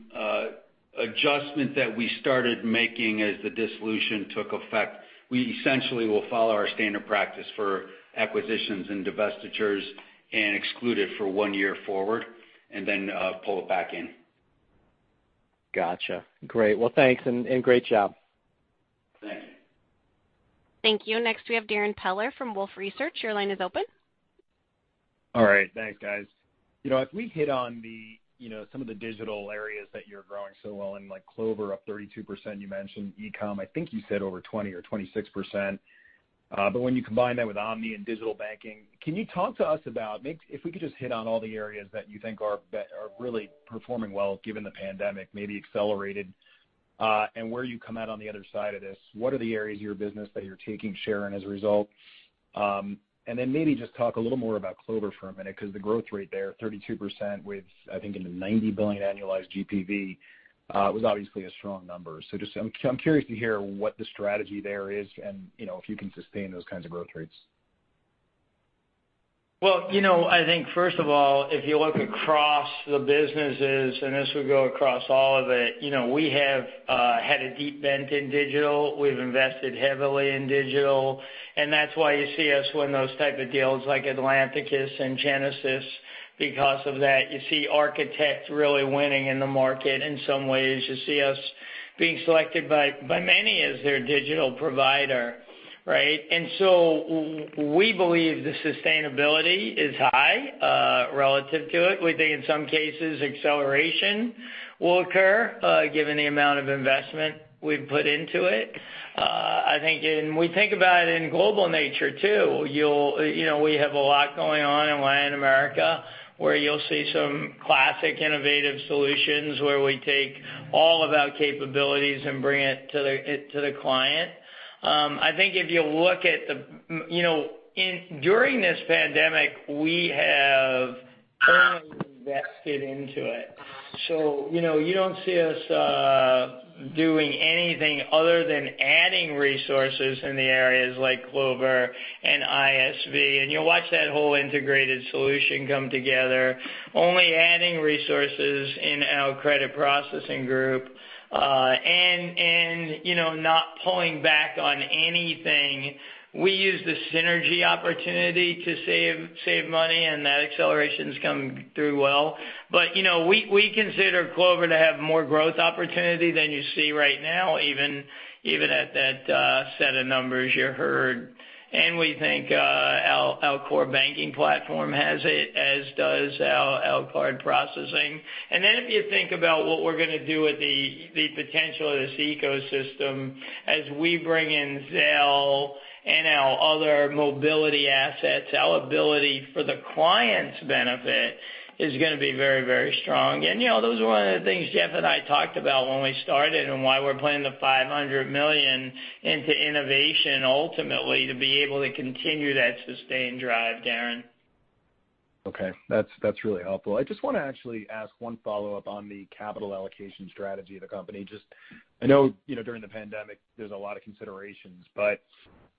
adjustment that we started making as the dissolution took effect, we essentially will follow our standard practice for acquisitions and divestitures and exclude it for one year forward and then pull it back in. Got you. Great. Well, thanks and great job. Thanks. Thank you. Next we have Darrin Peller from Wolfe Research. Your line is open. All right. Thanks, guys. As we hit on some of the digital areas that you're growing so well in, like Clover up 32%, you mentioned. ECom, I think you said over 20% or 26%. When you combine that with omni and digital banking, can you talk to us about, if we could just hit on all the areas that you think are really performing well, given the pandemic, maybe accelerated, and where you come out on the other side of this. What are the areas of your business that you're taking share in as a result? Maybe just talk a little more about Clover for a minute because the growth rate there, 32% with, I think, in the $90 billion annualized GPV, was obviously a strong number. I'm curious to hear what the strategy there is and if you can sustain those kinds of growth rates. I think first of all, if you look across the businesses, and as we go across all of it, we have had a deep bent in digital. We've invested heavily in digital, and that's why you see us win those type of deals like Atlanticus and Genesis because of that. You see Architect's really winning in the market in some ways. You see us being selected by many as their digital provider, right? We believe the sustainability is high relative to it. We think in some cases, acceleration will occur given the amount of investment we've put into it. I think when we think about it in global nature too, we have a lot going on in Latin America where you'll see some classic innovative solutions where we take all of our capabilities and bring it to the client. I think if you look at during this pandemic, we have only invested into it. You don't see us doing anything other than adding resources in the areas like Clover and ISV. You'll watch that whole integrated solution come together, only adding resources in our credit processing group, and not pulling back on anything. We use the synergy opportunity to save money, and that acceleration's come through well. We consider Clover to have more growth opportunity than you see right now, even at that set of numbers you heard. We think our core banking platform has it, as does our card processing. If you think about what we're going to do with the potential of this ecosystem as we bring in Zelle and our other Mobiliti assets, our ability for the client's benefit is going to be very, very strong. Those are one of the things Jeff and I talked about when we started and why we're putting the $500 million into innovation ultimately to be able to continue that sustained drive, Darrin. Okay. That's really helpful. I just want to actually ask one follow-up on the capital allocation strategy of the company. Just I know during the pandemic, there's a lot of considerations.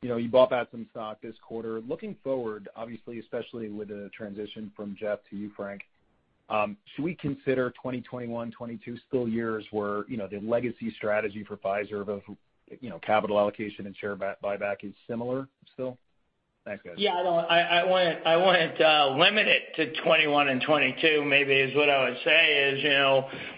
You bought back some stock this quarter. Looking forward, obviously, especially with the transition from Jeff to you, Frank, should we consider 2021, 2022 still years where the legacy strategy for Fiserv of capital allocation and share buyback is similar still? Thanks, guys. Yeah. Well, I wouldn't limit it to 2021 and 2022 maybe is what I would say is,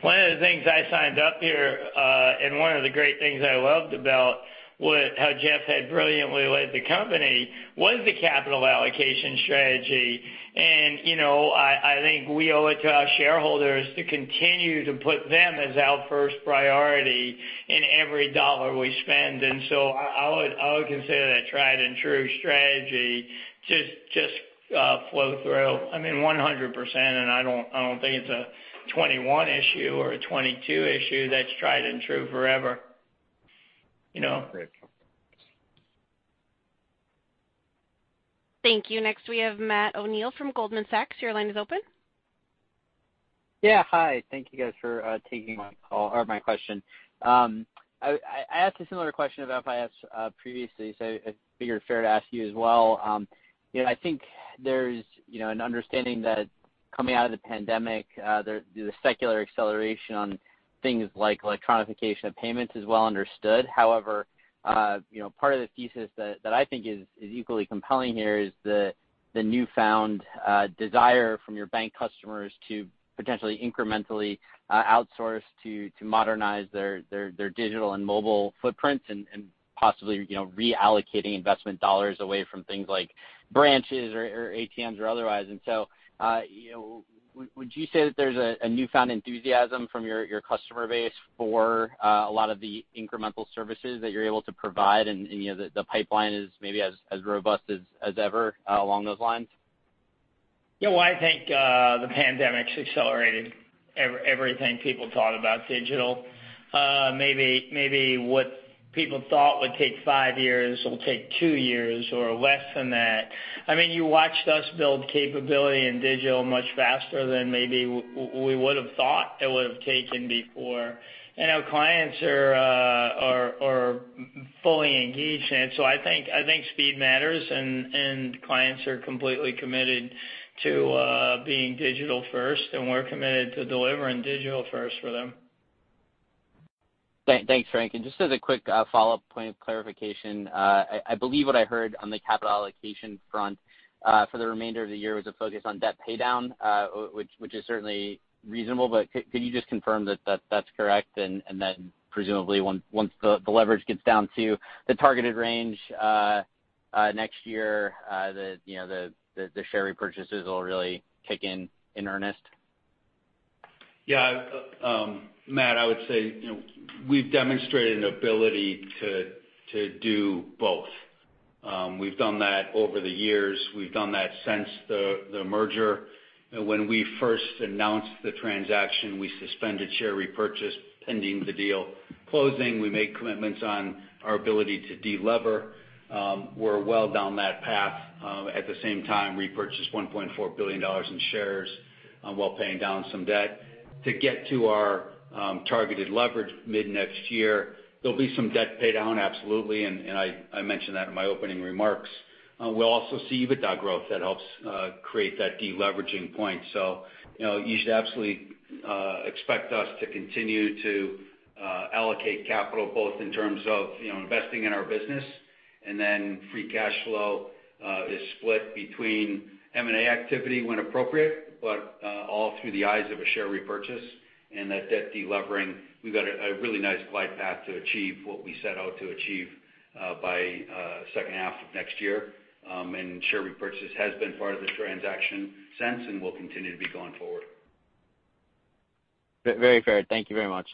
one of the things I signed up here, and one of the great things I loved about how Jeff had brilliantly led the company was the capital allocation strategy. I think we owe it to our shareholders to continue to put them as our first priority in every dollar we spend. I would consider that a tried and true strategy to just flow through. I mean, 100%, and I don't think it's a 2021 issue or a 2022 issue that's tried and true forever. Great. Thank you. Next we have Matt O'Neill from Goldman Sachs. Your line is open. Hi. Thank you guys for taking my call or my question. I asked a similar question of FIS previously, so I figured fair to ask you as well. I think there's an understanding that coming out of the pandemic, the secular acceleration on things like electronification of payments is well understood. Part of the thesis that I think is equally compelling here is the newfound desire from your bank customers to potentially incrementally outsource to modernize their digital and mobile footprints and possibly reallocating investment dollars away from things like branches or ATMs or otherwise. Would you say that there's a newfound enthusiasm from your customer base for a lot of the incremental services that you're able to provide and the pipeline is maybe as robust as ever along those lines? Yeah. Well, I think the pandemic's accelerated everything people thought about digital. Maybe what people thought would take five years will take two years or less than that. You watched us build capability in digital much faster than maybe we would've thought it would've taken before. Our clients are fully engaged in it. I think speed matters and clients are completely committed to being digital first, and we're committed to delivering digital first for them. Thanks, Frank. Just as a quick follow-up point of clarification. I believe what I heard on the capital allocation front for the remainder of the year was a focus on debt paydown, which is certainly reasonable, but could you just confirm that that's correct, and then presumably once the leverage gets down to the targeted range next year the share repurchases will really kick in earnest? Matt, I would say, we've demonstrated an ability to do both. We've done that over the years. We've done that since the merger. When we first announced the transaction, we suspended share repurchase pending the deal closing. We made commitments on our ability to de-lever. We're well down that path. At the same time, repurchased $1.4 billion in shares, while paying down some debt. To get to our targeted leverage mid-next year, there'll be some debt paydown absolutely, and I mentioned that in my opening remarks. We'll also see EBITDA growth that helps create that de-leveraging point. You should absolutely expect us to continue to allocate capital, both in terms of investing in our business and then free cash flow is split between M&A activity when appropriate. All through the eyes of a share repurchase and that debt de-levering. We've got a really nice glide path to achieve what we set out to achieve by second half of next year. Share repurchase has been part of the transaction since and will continue to be going forward. Very fair. Thank you very much.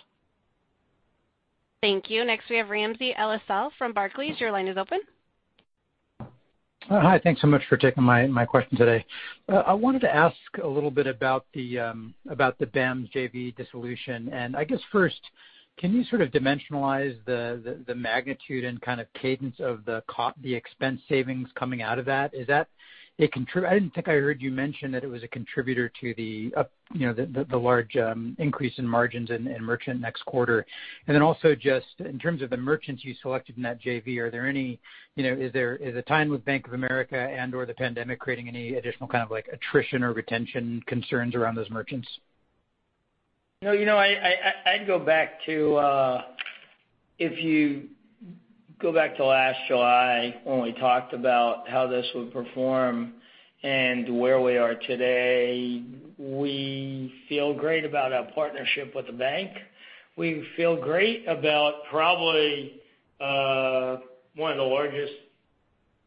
Thank you. Next we have Ramsey El-Assal from Barclays. Your line is open. Hi. Thanks so much for taking my question today. I wanted to ask a little bit about the BAMS JV dissolution. I guess first, can you sort of dimensionalize the magnitude and kind of cadence of the expense savings coming out of that? I didn't think I heard you mention that it was a contributor to the large increase in margins in merchant next quarter. Also just in terms of the merchants you selected in that JV, is the time with Bank of America and/or the pandemic creating any additional kind of like attrition or retention concerns around those merchants? No. I'd go back to if you go back to last July when we talked about how this would perform and where we are today, we feel great about our partnership with the bank. We feel great about probably one of the largest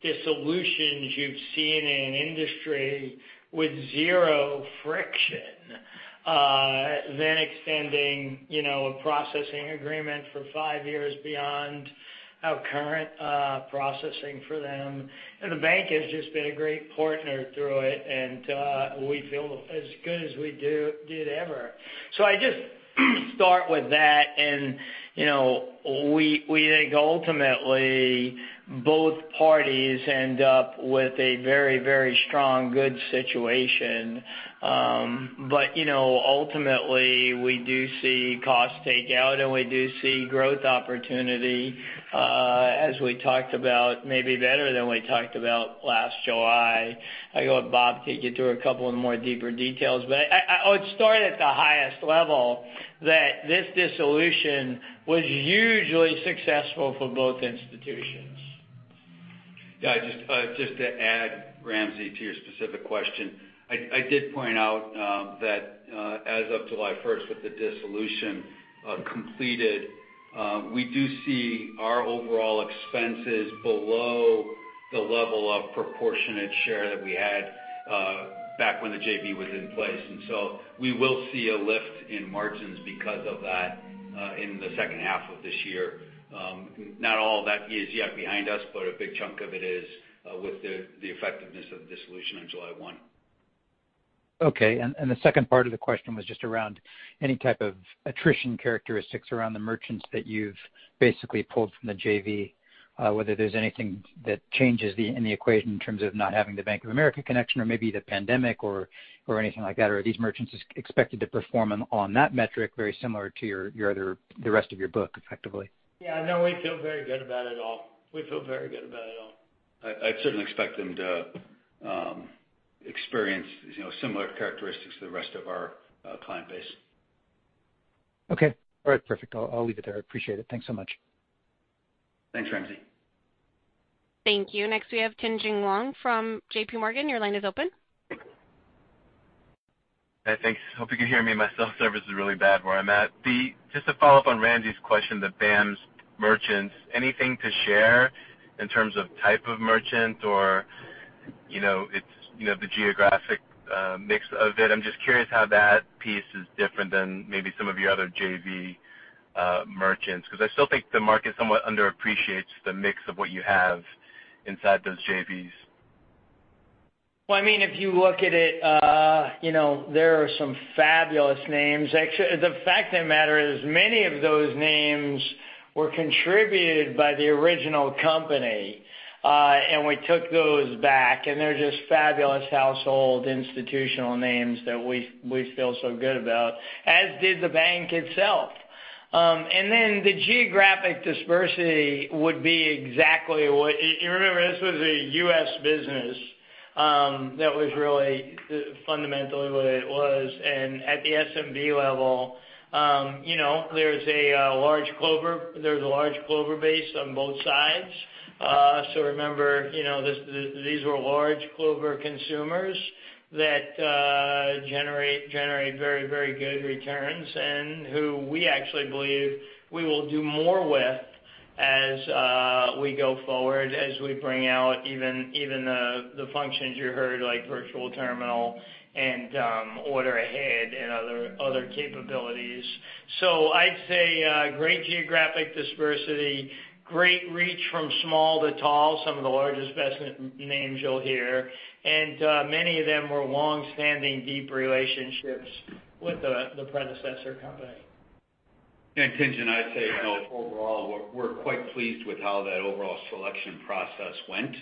dissolutions you've seen in an industry with zero friction than extending a processing agreement for five years beyond our current processing for them. The bank has just been a great partner through it, and we feel as good as we did ever. I just start with that and we think ultimately both parties end up with a very strong, good situation. Ultimately we do see cost takeout, and we do see growth opportunity as we talked about, maybe better than we talked about last July. I'll let Bob take you through a couple of more deeper details. I would start at the highest level that this dissolution was hugely successful for both institutions. Just to add Ramsey to your specific question. I did point out that as of July 1st with the dissolution completed, we do see our overall expenses below the level of proportionate share that we had back when the JV was in place. We will see a lift in margins because of that in the second half of this year. Not all of that is yet behind us, but a big chunk of it is with the effectiveness of the dissolution on July 1. Okay. The second part of the question was just around any type of attrition characteristics around the merchants that you've basically pulled from the JV. Whether there's anything that changes in the equation in terms of not having the Bank of America connection or maybe the pandemic or anything like that. Are these merchants expected to perform on that metric very similar to the rest of your book effectively? Yeah, no, we feel very good about it all. We feel very good about it all. I'd certainly expect them to experience similar characteristics to the rest of our client base. Okay. All right. Perfect. I'll leave it there. I appreciate it. Thanks so much. Thanks, Ramsey. Thank you. Next we have Tien-Tsin Huang from JPMorgan. Your line is open. Hey, thanks. Hope you can hear me. My cell service is really bad where I'm at. Just to follow up on Ramsey's question, the BAMS merchants, anything to share in terms of type of merchant or the geographic mix of it? I'm just curious how that piece is different than maybe some of your other JV merchants, because I still think the market somewhat under appreciates the mix of what you have inside those JVs. Well, if you look at it, there are some fabulous names. Actually, the fact of the matter is many of those names were contributed by the original company. We took those back, and they're just fabulous household institutional names that we feel so good about, as did the bank itself. Then the geographic dispersity would be exactly what you remember, this was a U.S. business. That was really fundamentally what it was. At the SMB level, there's a large Clover base on both sides. Remember, these were large Clover consumers that generate very good returns and who we actually believe we will do more with as we go forward, as we bring out even the functions you heard, like Virtual Terminal and Order Ahead and other capabilities. I'd say great geographic dispersity, great reach from small to tall, some of the largest best names you'll hear. Many of them were longstanding deep relationships with the predecessor company. Tien-Tsin, I'd say overall, we're quite pleased with how that overall selection process went.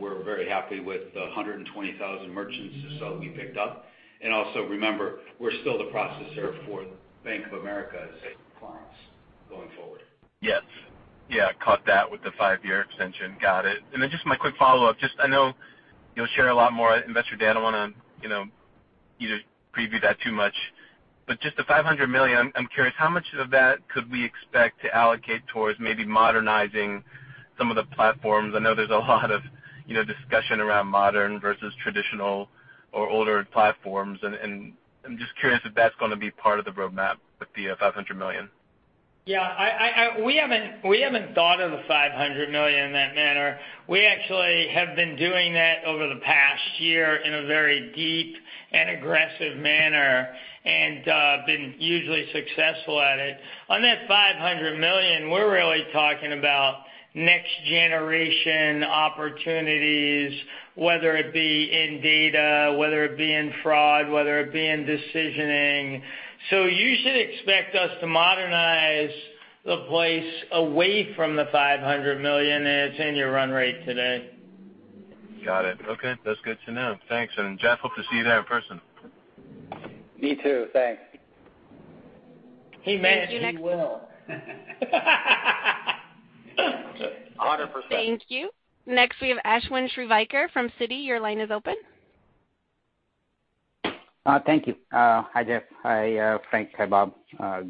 We're very happy with the 120,000 merchants or so we picked up. Also remember, we're still the processor for Bank of America's clients going forward. Yes. Yeah, caught that with the five-year extension. Got it. Then just my quick follow-up, just I know you'll share a lot more at Investor Day. I don't want to either preview that too much. Just the $500 million, I'm curious how much of that could we expect to allocate towards maybe modernizing some of the platforms? I know there's a lot of discussion around modern versus traditional or older platforms, and I'm just curious if that's going to be part of the roadmap with the $500 million. Yeah. We haven't thought of the $500 million in that manner. We actually have been doing that over the past year in a very deep and aggressive manner and been usually successful at it. On that $500 million, we're really talking about next generation opportunities, whether it be in data, whether it be in fraud, whether it be in decisioning. You should expect us to modernize the place away from the $500 million, and it's in your run rate today. Got it. Okay. That's good to know. Thanks. Jeff, hope to see you there in person. Me too, thanks. He meant he will. 100%. Thank you. Next we have Ashwin Shirvaikar from Citi. Your line is open. Thank you. Hi, Jeff. Hi, Frank. Hi, Bob.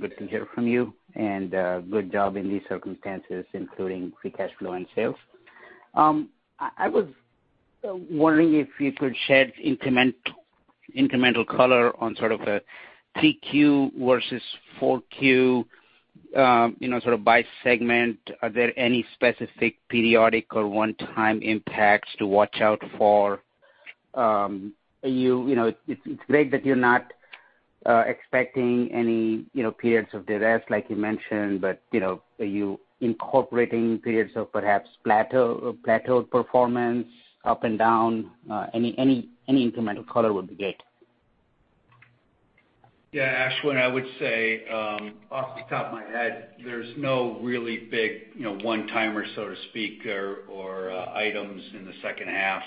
Good to hear from you. Good job in these circumstances, including free cash flow and sales. I was wondering if you could shed incremental color on sort of a 3Q versus 4Q by segment. Are there any specific periodic or one-time impacts to watch out for? It's great that you're not expecting any periods of duress, like you mentioned. Are you incorporating periods of perhaps plateaued performance up and down? Any incremental color would be great. Yeah, Ashwin, I would say off the top of my head, there's no really big one-timer, so to speak, or items in the second half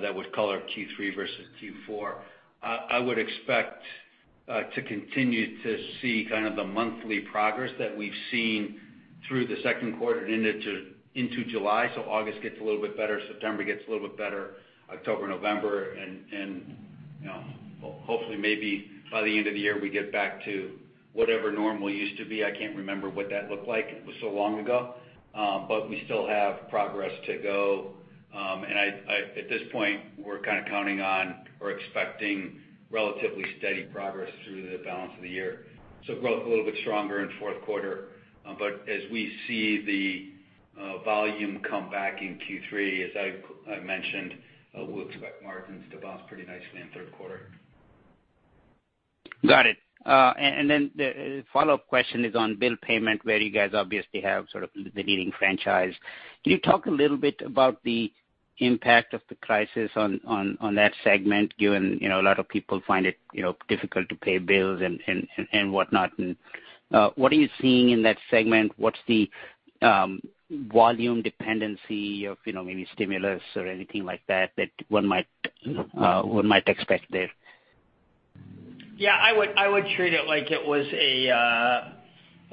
that would color Q3 versus Q4. I would expect to continue to see kind of the monthly progress that we've seen through the second quarter and into July. August gets a little bit better, September gets a little bit better, October, November, and hopefully maybe by the end of the year, we get back to whatever normal used to be. I can't remember what that looked like. It was so long ago. We still have progress to go. At this point, we're kind of counting on or expecting relatively steady progress through the balance of the year. Growth a little bit stronger in fourth quarter. As we see the volume come back in Q3, as I mentioned, we'll expect margins to bounce pretty nicely in third quarter. Got it. The follow-up question is on bill payment, where you guys obviously have sort of the leading franchise. Can you talk a little bit about the impact of the crisis on that segment, given a lot of people find it difficult to pay bills and whatnot? What are you seeing in that segment? What's the volume dependency of maybe stimulus or anything like that that one might expect there? Yeah, I would treat it like it was a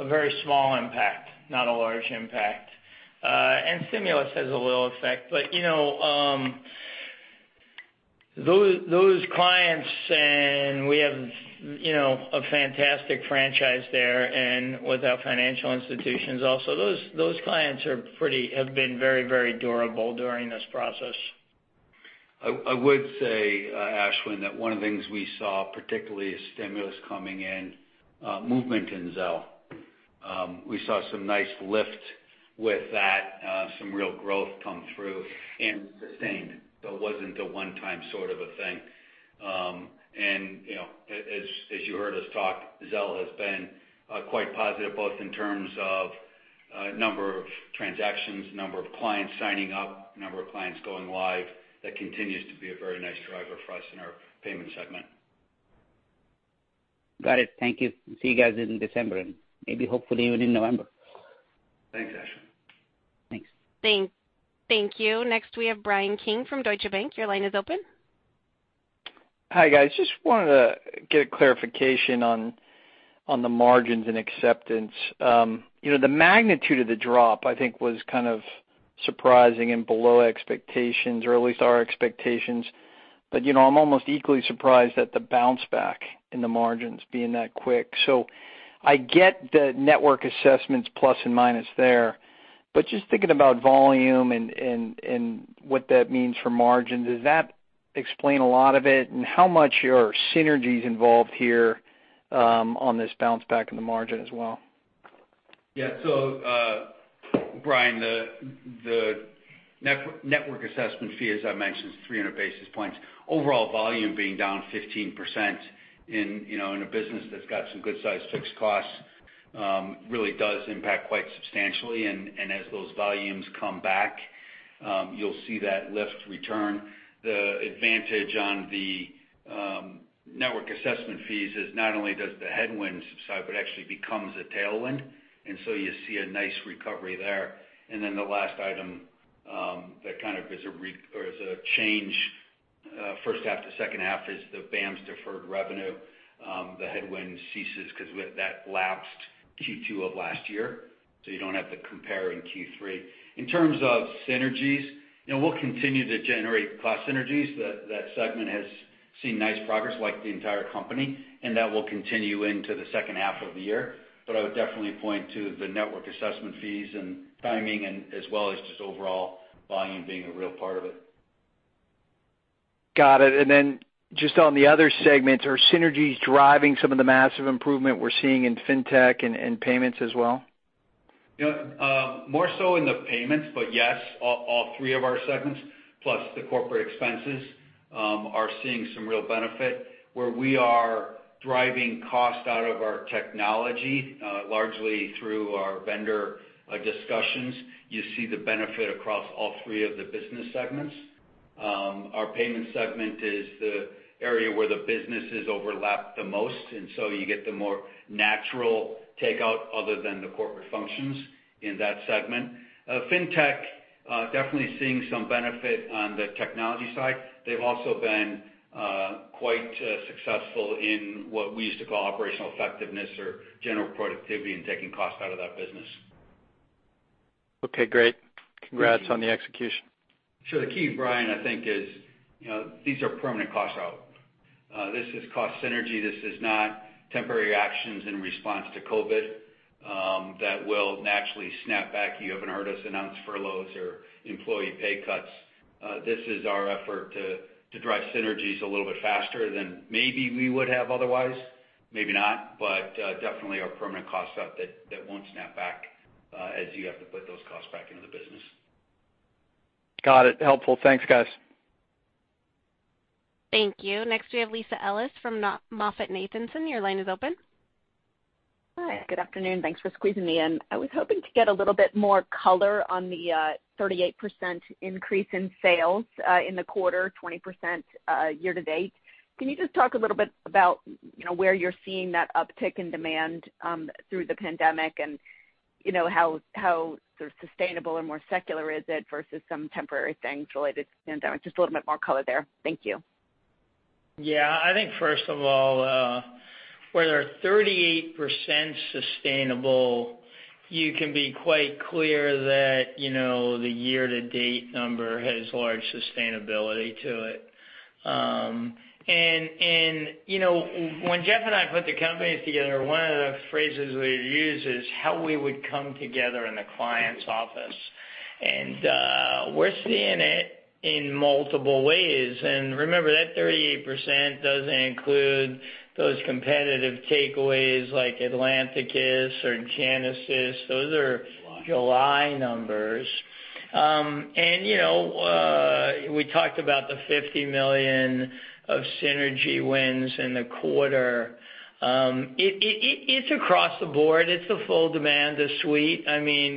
very small impact, not a large impact. Stimulus has a little effect. Those clients, and we have a fantastic franchise there and with our financial institutions also. Those clients have been very durable during this process. I would say, Ashwin, that one of the things we saw, particularly as stimulus coming in, movement in Zelle. We saw some nice lift with that, some real growth come through and sustained. It wasn't a one-time sort of a thing. As you heard us talk, Zelle has been quite positive, both in terms of number of transactions, number of clients signing up, number of clients going live. That continues to be a very nice driver for us in our payment segment. Got it. Thank you. See you guys in December and maybe hopefully even in November. Thanks, Ashwin. Thanks. Thank you. Next we have Bryan Keane from Deutsche Bank. Your line is open. Hi, guys. Just wanted to get a clarification on the margins and acceptance. The magnitude of the drop, I think, was kind of surprising and below expectations, or at least our expectations. I'm almost equally surprised at the bounce back in the margins being that quick. I get the network assessments plus and minus there, but just thinking about volume and what that means for margins, does that explain a lot of it? How much are synergies involved here on this bounce back in the margin as well? Bryan, the network assessment fee, as I mentioned, is 300 basis points. Overall volume being down 15% in a business that's got some good-sized fixed costs really does impact quite substantially, and as those volumes come back, you'll see that lift return. The advantage on the network assessment fees is not only does the headwinds subside, but actually becomes a tailwind, and so you see a nice recovery there. The last item that kind of is a change first half to second half is the BAMS deferred revenue. The headwind ceases because that lapsed Q2 of last year, so you don't have to compare in Q3. In terms of synergies, we'll continue to generate cost synergies. That segment has seen nice progress, like the entire company, and that will continue into the second half of the year. I would definitely point to the network assessment fees and timing and as well as just overall volume being a real part of it. Got it. Then just on the other segments, are synergies driving some of the massive improvement we're seeing in Fintech and Payments as well? More so in the Payments, yes, all three of our segments, plus the corporate expenses, are seeing some real benefit where we are driving cost out of our technology largely through our vendor discussions. You see the benefit across all three of the business segments. Our Payments segment is the area where the businesses overlap the most, you get the more natural takeout other than the corporate functions in that segment. Fintech definitely seeing some benefit on the technology side. They've also been quite successful in what we used to call operational effectiveness or general productivity and taking cost out of that business. Okay, great. Congrats on the execution. The key, Bryan, I think, is these are permanent costs out. This is cost synergy. This is not temporary actions in response to COVID-19 that will naturally snap back. You haven't heard us announce furloughs or employee pay cuts. This is our effort to drive synergies a little bit faster than maybe we would have otherwise, maybe not, but definitely a permanent cost out that won't snap back as you have to put those costs back into the business. Got it. Helpful. Thanks, guys. Thank you. Next we have Lisa Ellis from MoffettNathanson. Your line is open. Hi, good afternoon. Thanks for squeezing me in. I was hoping to get a little bit more color on the 38% increase in sales in the quarter, 20% year-to-date. Can you just talk a little bit about where you're seeing that uptick in demand through the pandemic and how sort of sustainable or more secular is it versus some temporary things related to the pandemic? Just a little bit more color there. Thank you. Yeah. I think first of all, where there are 38% sustainable, you can be quite clear that the year-to-date number has large sustainability to it. When Jeff and I put the companies together, one of the phrases we've used is how we would come together in a client's office. We're seeing it in multiple ways. Remember that 38% doesn't include those competitive takeaways like Atlanticus or Genesis. Those are July numbers. We talked about the $50 million of synergy wins in the quarter. It's across the board. It's the full demand of suite. This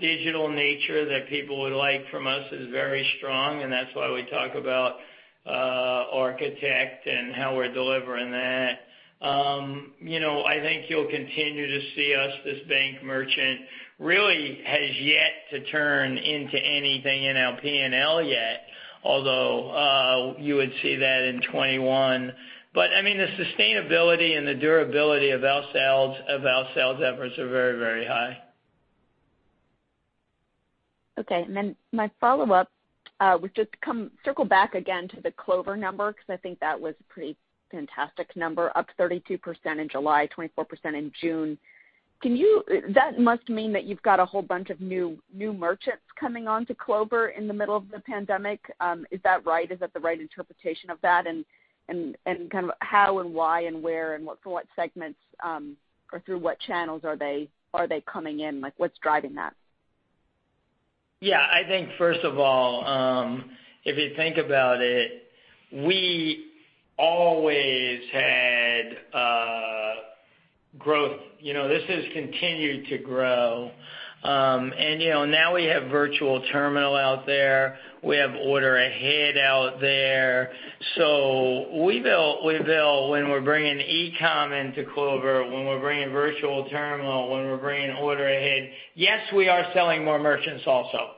digital nature that people would like from us is very strong, and that's why we talk about Architect and how we're delivering that. I think you'll continue to see us, this bank merchant really has yet to turn into anything in our P&L yet, although you would see that in 2021. The sustainability and the durability of our sales efforts are very, very high. Okay. My follow-up, we've just circle back again to the Clover number because I think that was a pretty fantastic number, up 32% in July, 24% in June. That must mean that you've got a whole bunch of new merchants coming on to Clover in the middle of the pandemic. Is that right? Is that the right interpretation of that? Kind of how and why and where and for what segments, or through what channels are they coming in? What's driving that? Yeah. I think first of all, if you think about it, we always had growth. This has continued to grow. Now we have Virtual Terminal out there. We have Order Ahead out there. We feel when we're bringing eCom into Clover, when we're bringing Virtual Terminal, when we're bringing Order Ahead, yes, we are selling more merchants also.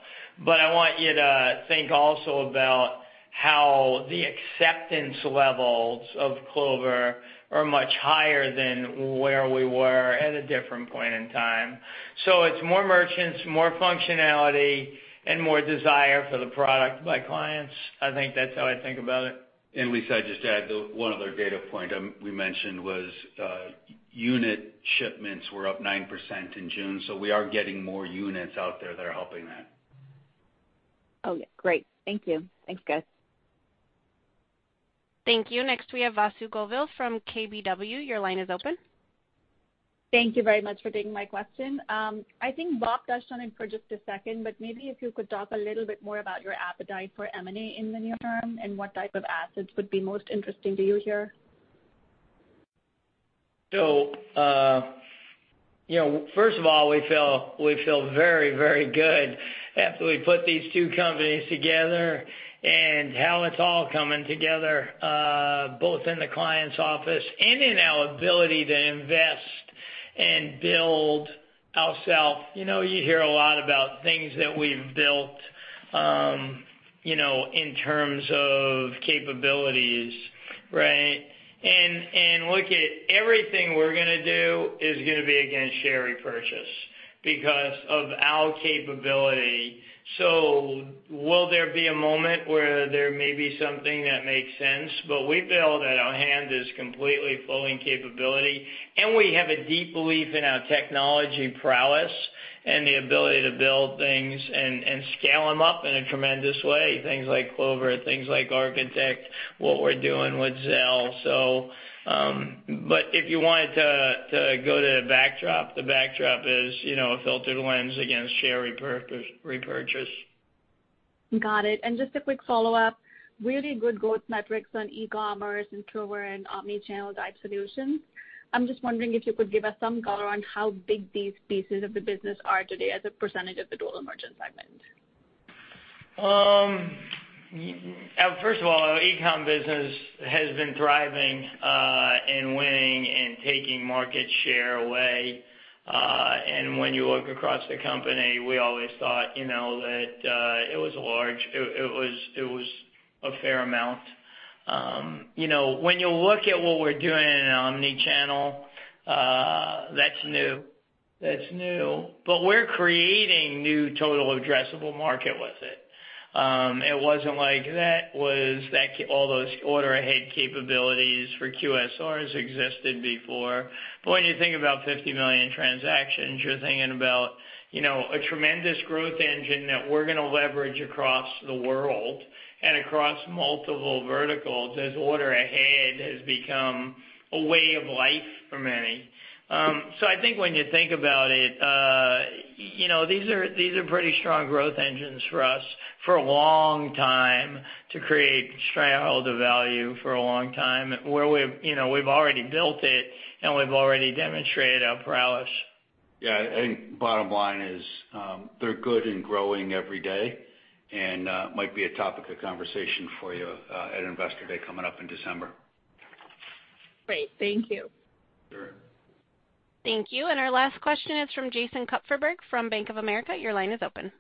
I want you to think also about how the acceptance levels of Clover are much higher than where we were at a different point in time. It's more merchants, more functionality, and more desire for the product by clients. I think that's how I think about it. Lisa, I'd just add the one other data point we mentioned was unit shipments were up 9% in June. We are getting more units out there that are helping that. Oh, yeah. Great. Thank you. Thanks, guys. Thank you. Next, we have Vasu Govil from KBW. Your line is open. Thank you very much for taking my question. I think Bob touched on it for just a second, but maybe if you could talk a little bit more about your appetite for M&A in the near term and what type of assets would be most interesting to you here? First of all, we feel very, very good after we put these two companies together and how it's all coming together, both in the client's office and in our ability to invest and build ourselves. You hear a lot about things that we've built, in terms of capabilities, right? Look at everything we're going to do is going to be against share repurchase because of our capability. Will there be a moment where there may be something that makes sense? We feel that our hand is completely full in capability, and we have a deep belief in our technology prowess and the ability to build things and scale them up in a tremendous way. Things like Clover, things like Architect, what we're doing with Zelle. If you wanted to go to the backdrop, the backdrop is a filtered lens against share repurchase. Got it. Just a quick follow-up. Really good growth metrics on e-commerce and Clover and omni-channel type solutions. I'm just wondering if you could give us some color on how big these pieces of the business are today as a percentage of the total merchant segment. First of all, eCom business has been thriving, and winning and taking market share away. When you look across the company, we always thought that it was a fair amount. When you look at what we're doing in omni-channel, that's new. We're creating new total addressable market with it. It wasn't like all those Order Ahead capabilities for QSRs existed before. When you think about 50 million transactions, you're thinking about a tremendous growth engine that we're going to leverage across the world and across multiple verticals as Order Ahead has become a way of life for many. I think when you think about it, these are pretty strong growth engines for us for a long time to create shareholder value for a long time where we've already built it, and we've already demonstrated our prowess. Yeah. I think bottom line is they're good and growing every day, and might be a topic of conversation for you at Investor Day coming up in December. Great. Thank you. Sure. Thank you. Our last question is from Jason Kupferberg from Bank of America. Your line is open.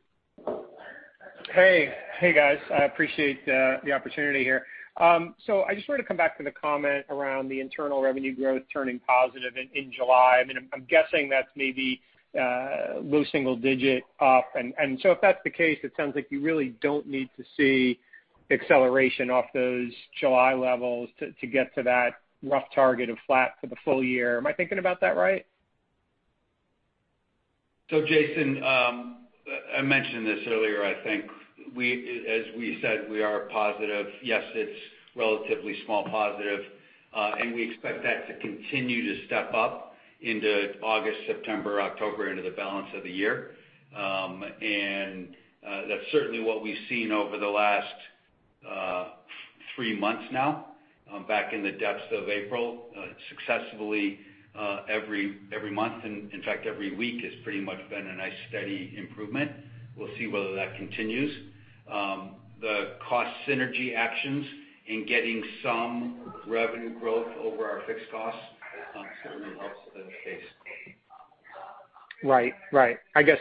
Hey. Hey, guys. I appreciate the opportunity here. I just wanted to come back to the comment around the internal revenue growth turning positive in July. I'm guessing that's maybe low single-digit up. If that's the case, it sounds like you really don't need to see acceleration off those July levels to get to that rough target of flat for the full year. Am I thinking about that right? Jason, I mentioned this earlier, I think. As we said, we are positive. Yes, it's relatively small positive. We expect that to continue to step up into August, September, October, into the balance of the year. That's certainly what we've seen over the last three months now, back in the depths of April, successfully every month, and in fact, every week has pretty much been a nice steady improvement. We'll see whether that continues. The cost synergy actions in getting some revenue growth over our fixed costs certainly helps that case. Right. I guess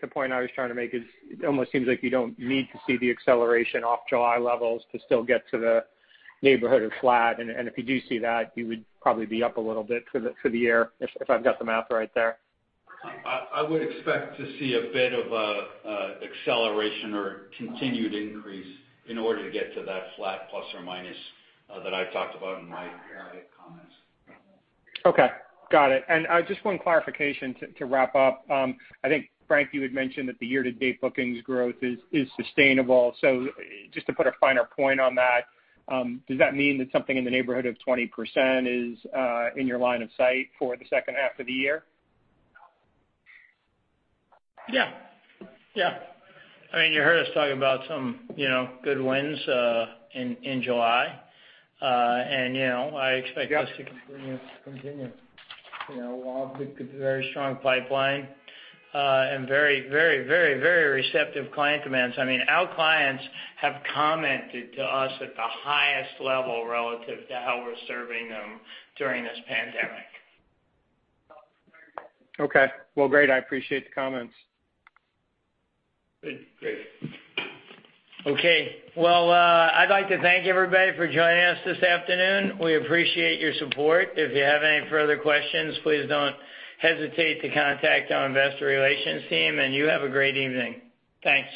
the point I was trying to make is it almost seems like you don't need to see the acceleration off July levels to still get to the neighborhood of flat. If you do see that, you would probably be up a little bit for the year, if I've got the math right there. I would expect to see a bit of acceleration or continued increase in order to get to that flat plus or minus that I've talked about in my comments. Okay. Got it. Just one clarification to wrap up. I think, Frank, you had mentioned that the year-to-date bookings growth is sustainable. Just to put a finer point on that, does that mean that something in the neighborhood of 20% is in your line of sight for the second half of the year? Yeah. You heard us talking about some good wins in July. I expect this to continue. We have a very strong pipeline, and very receptive client demands. Our clients have commented to us at the highest level relative to how we're serving them during this pandemic. Okay. Well, great. I appreciate the comments. Great. Okay. Well, I'd like to thank everybody for joining us this afternoon. We appreciate your support. If you have any further questions, please don't hesitate to contact our investor relations team, and you have a great evening. Thanks.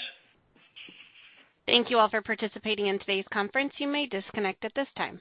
Thank you all for participating in today's conference. You may disconnect at this time.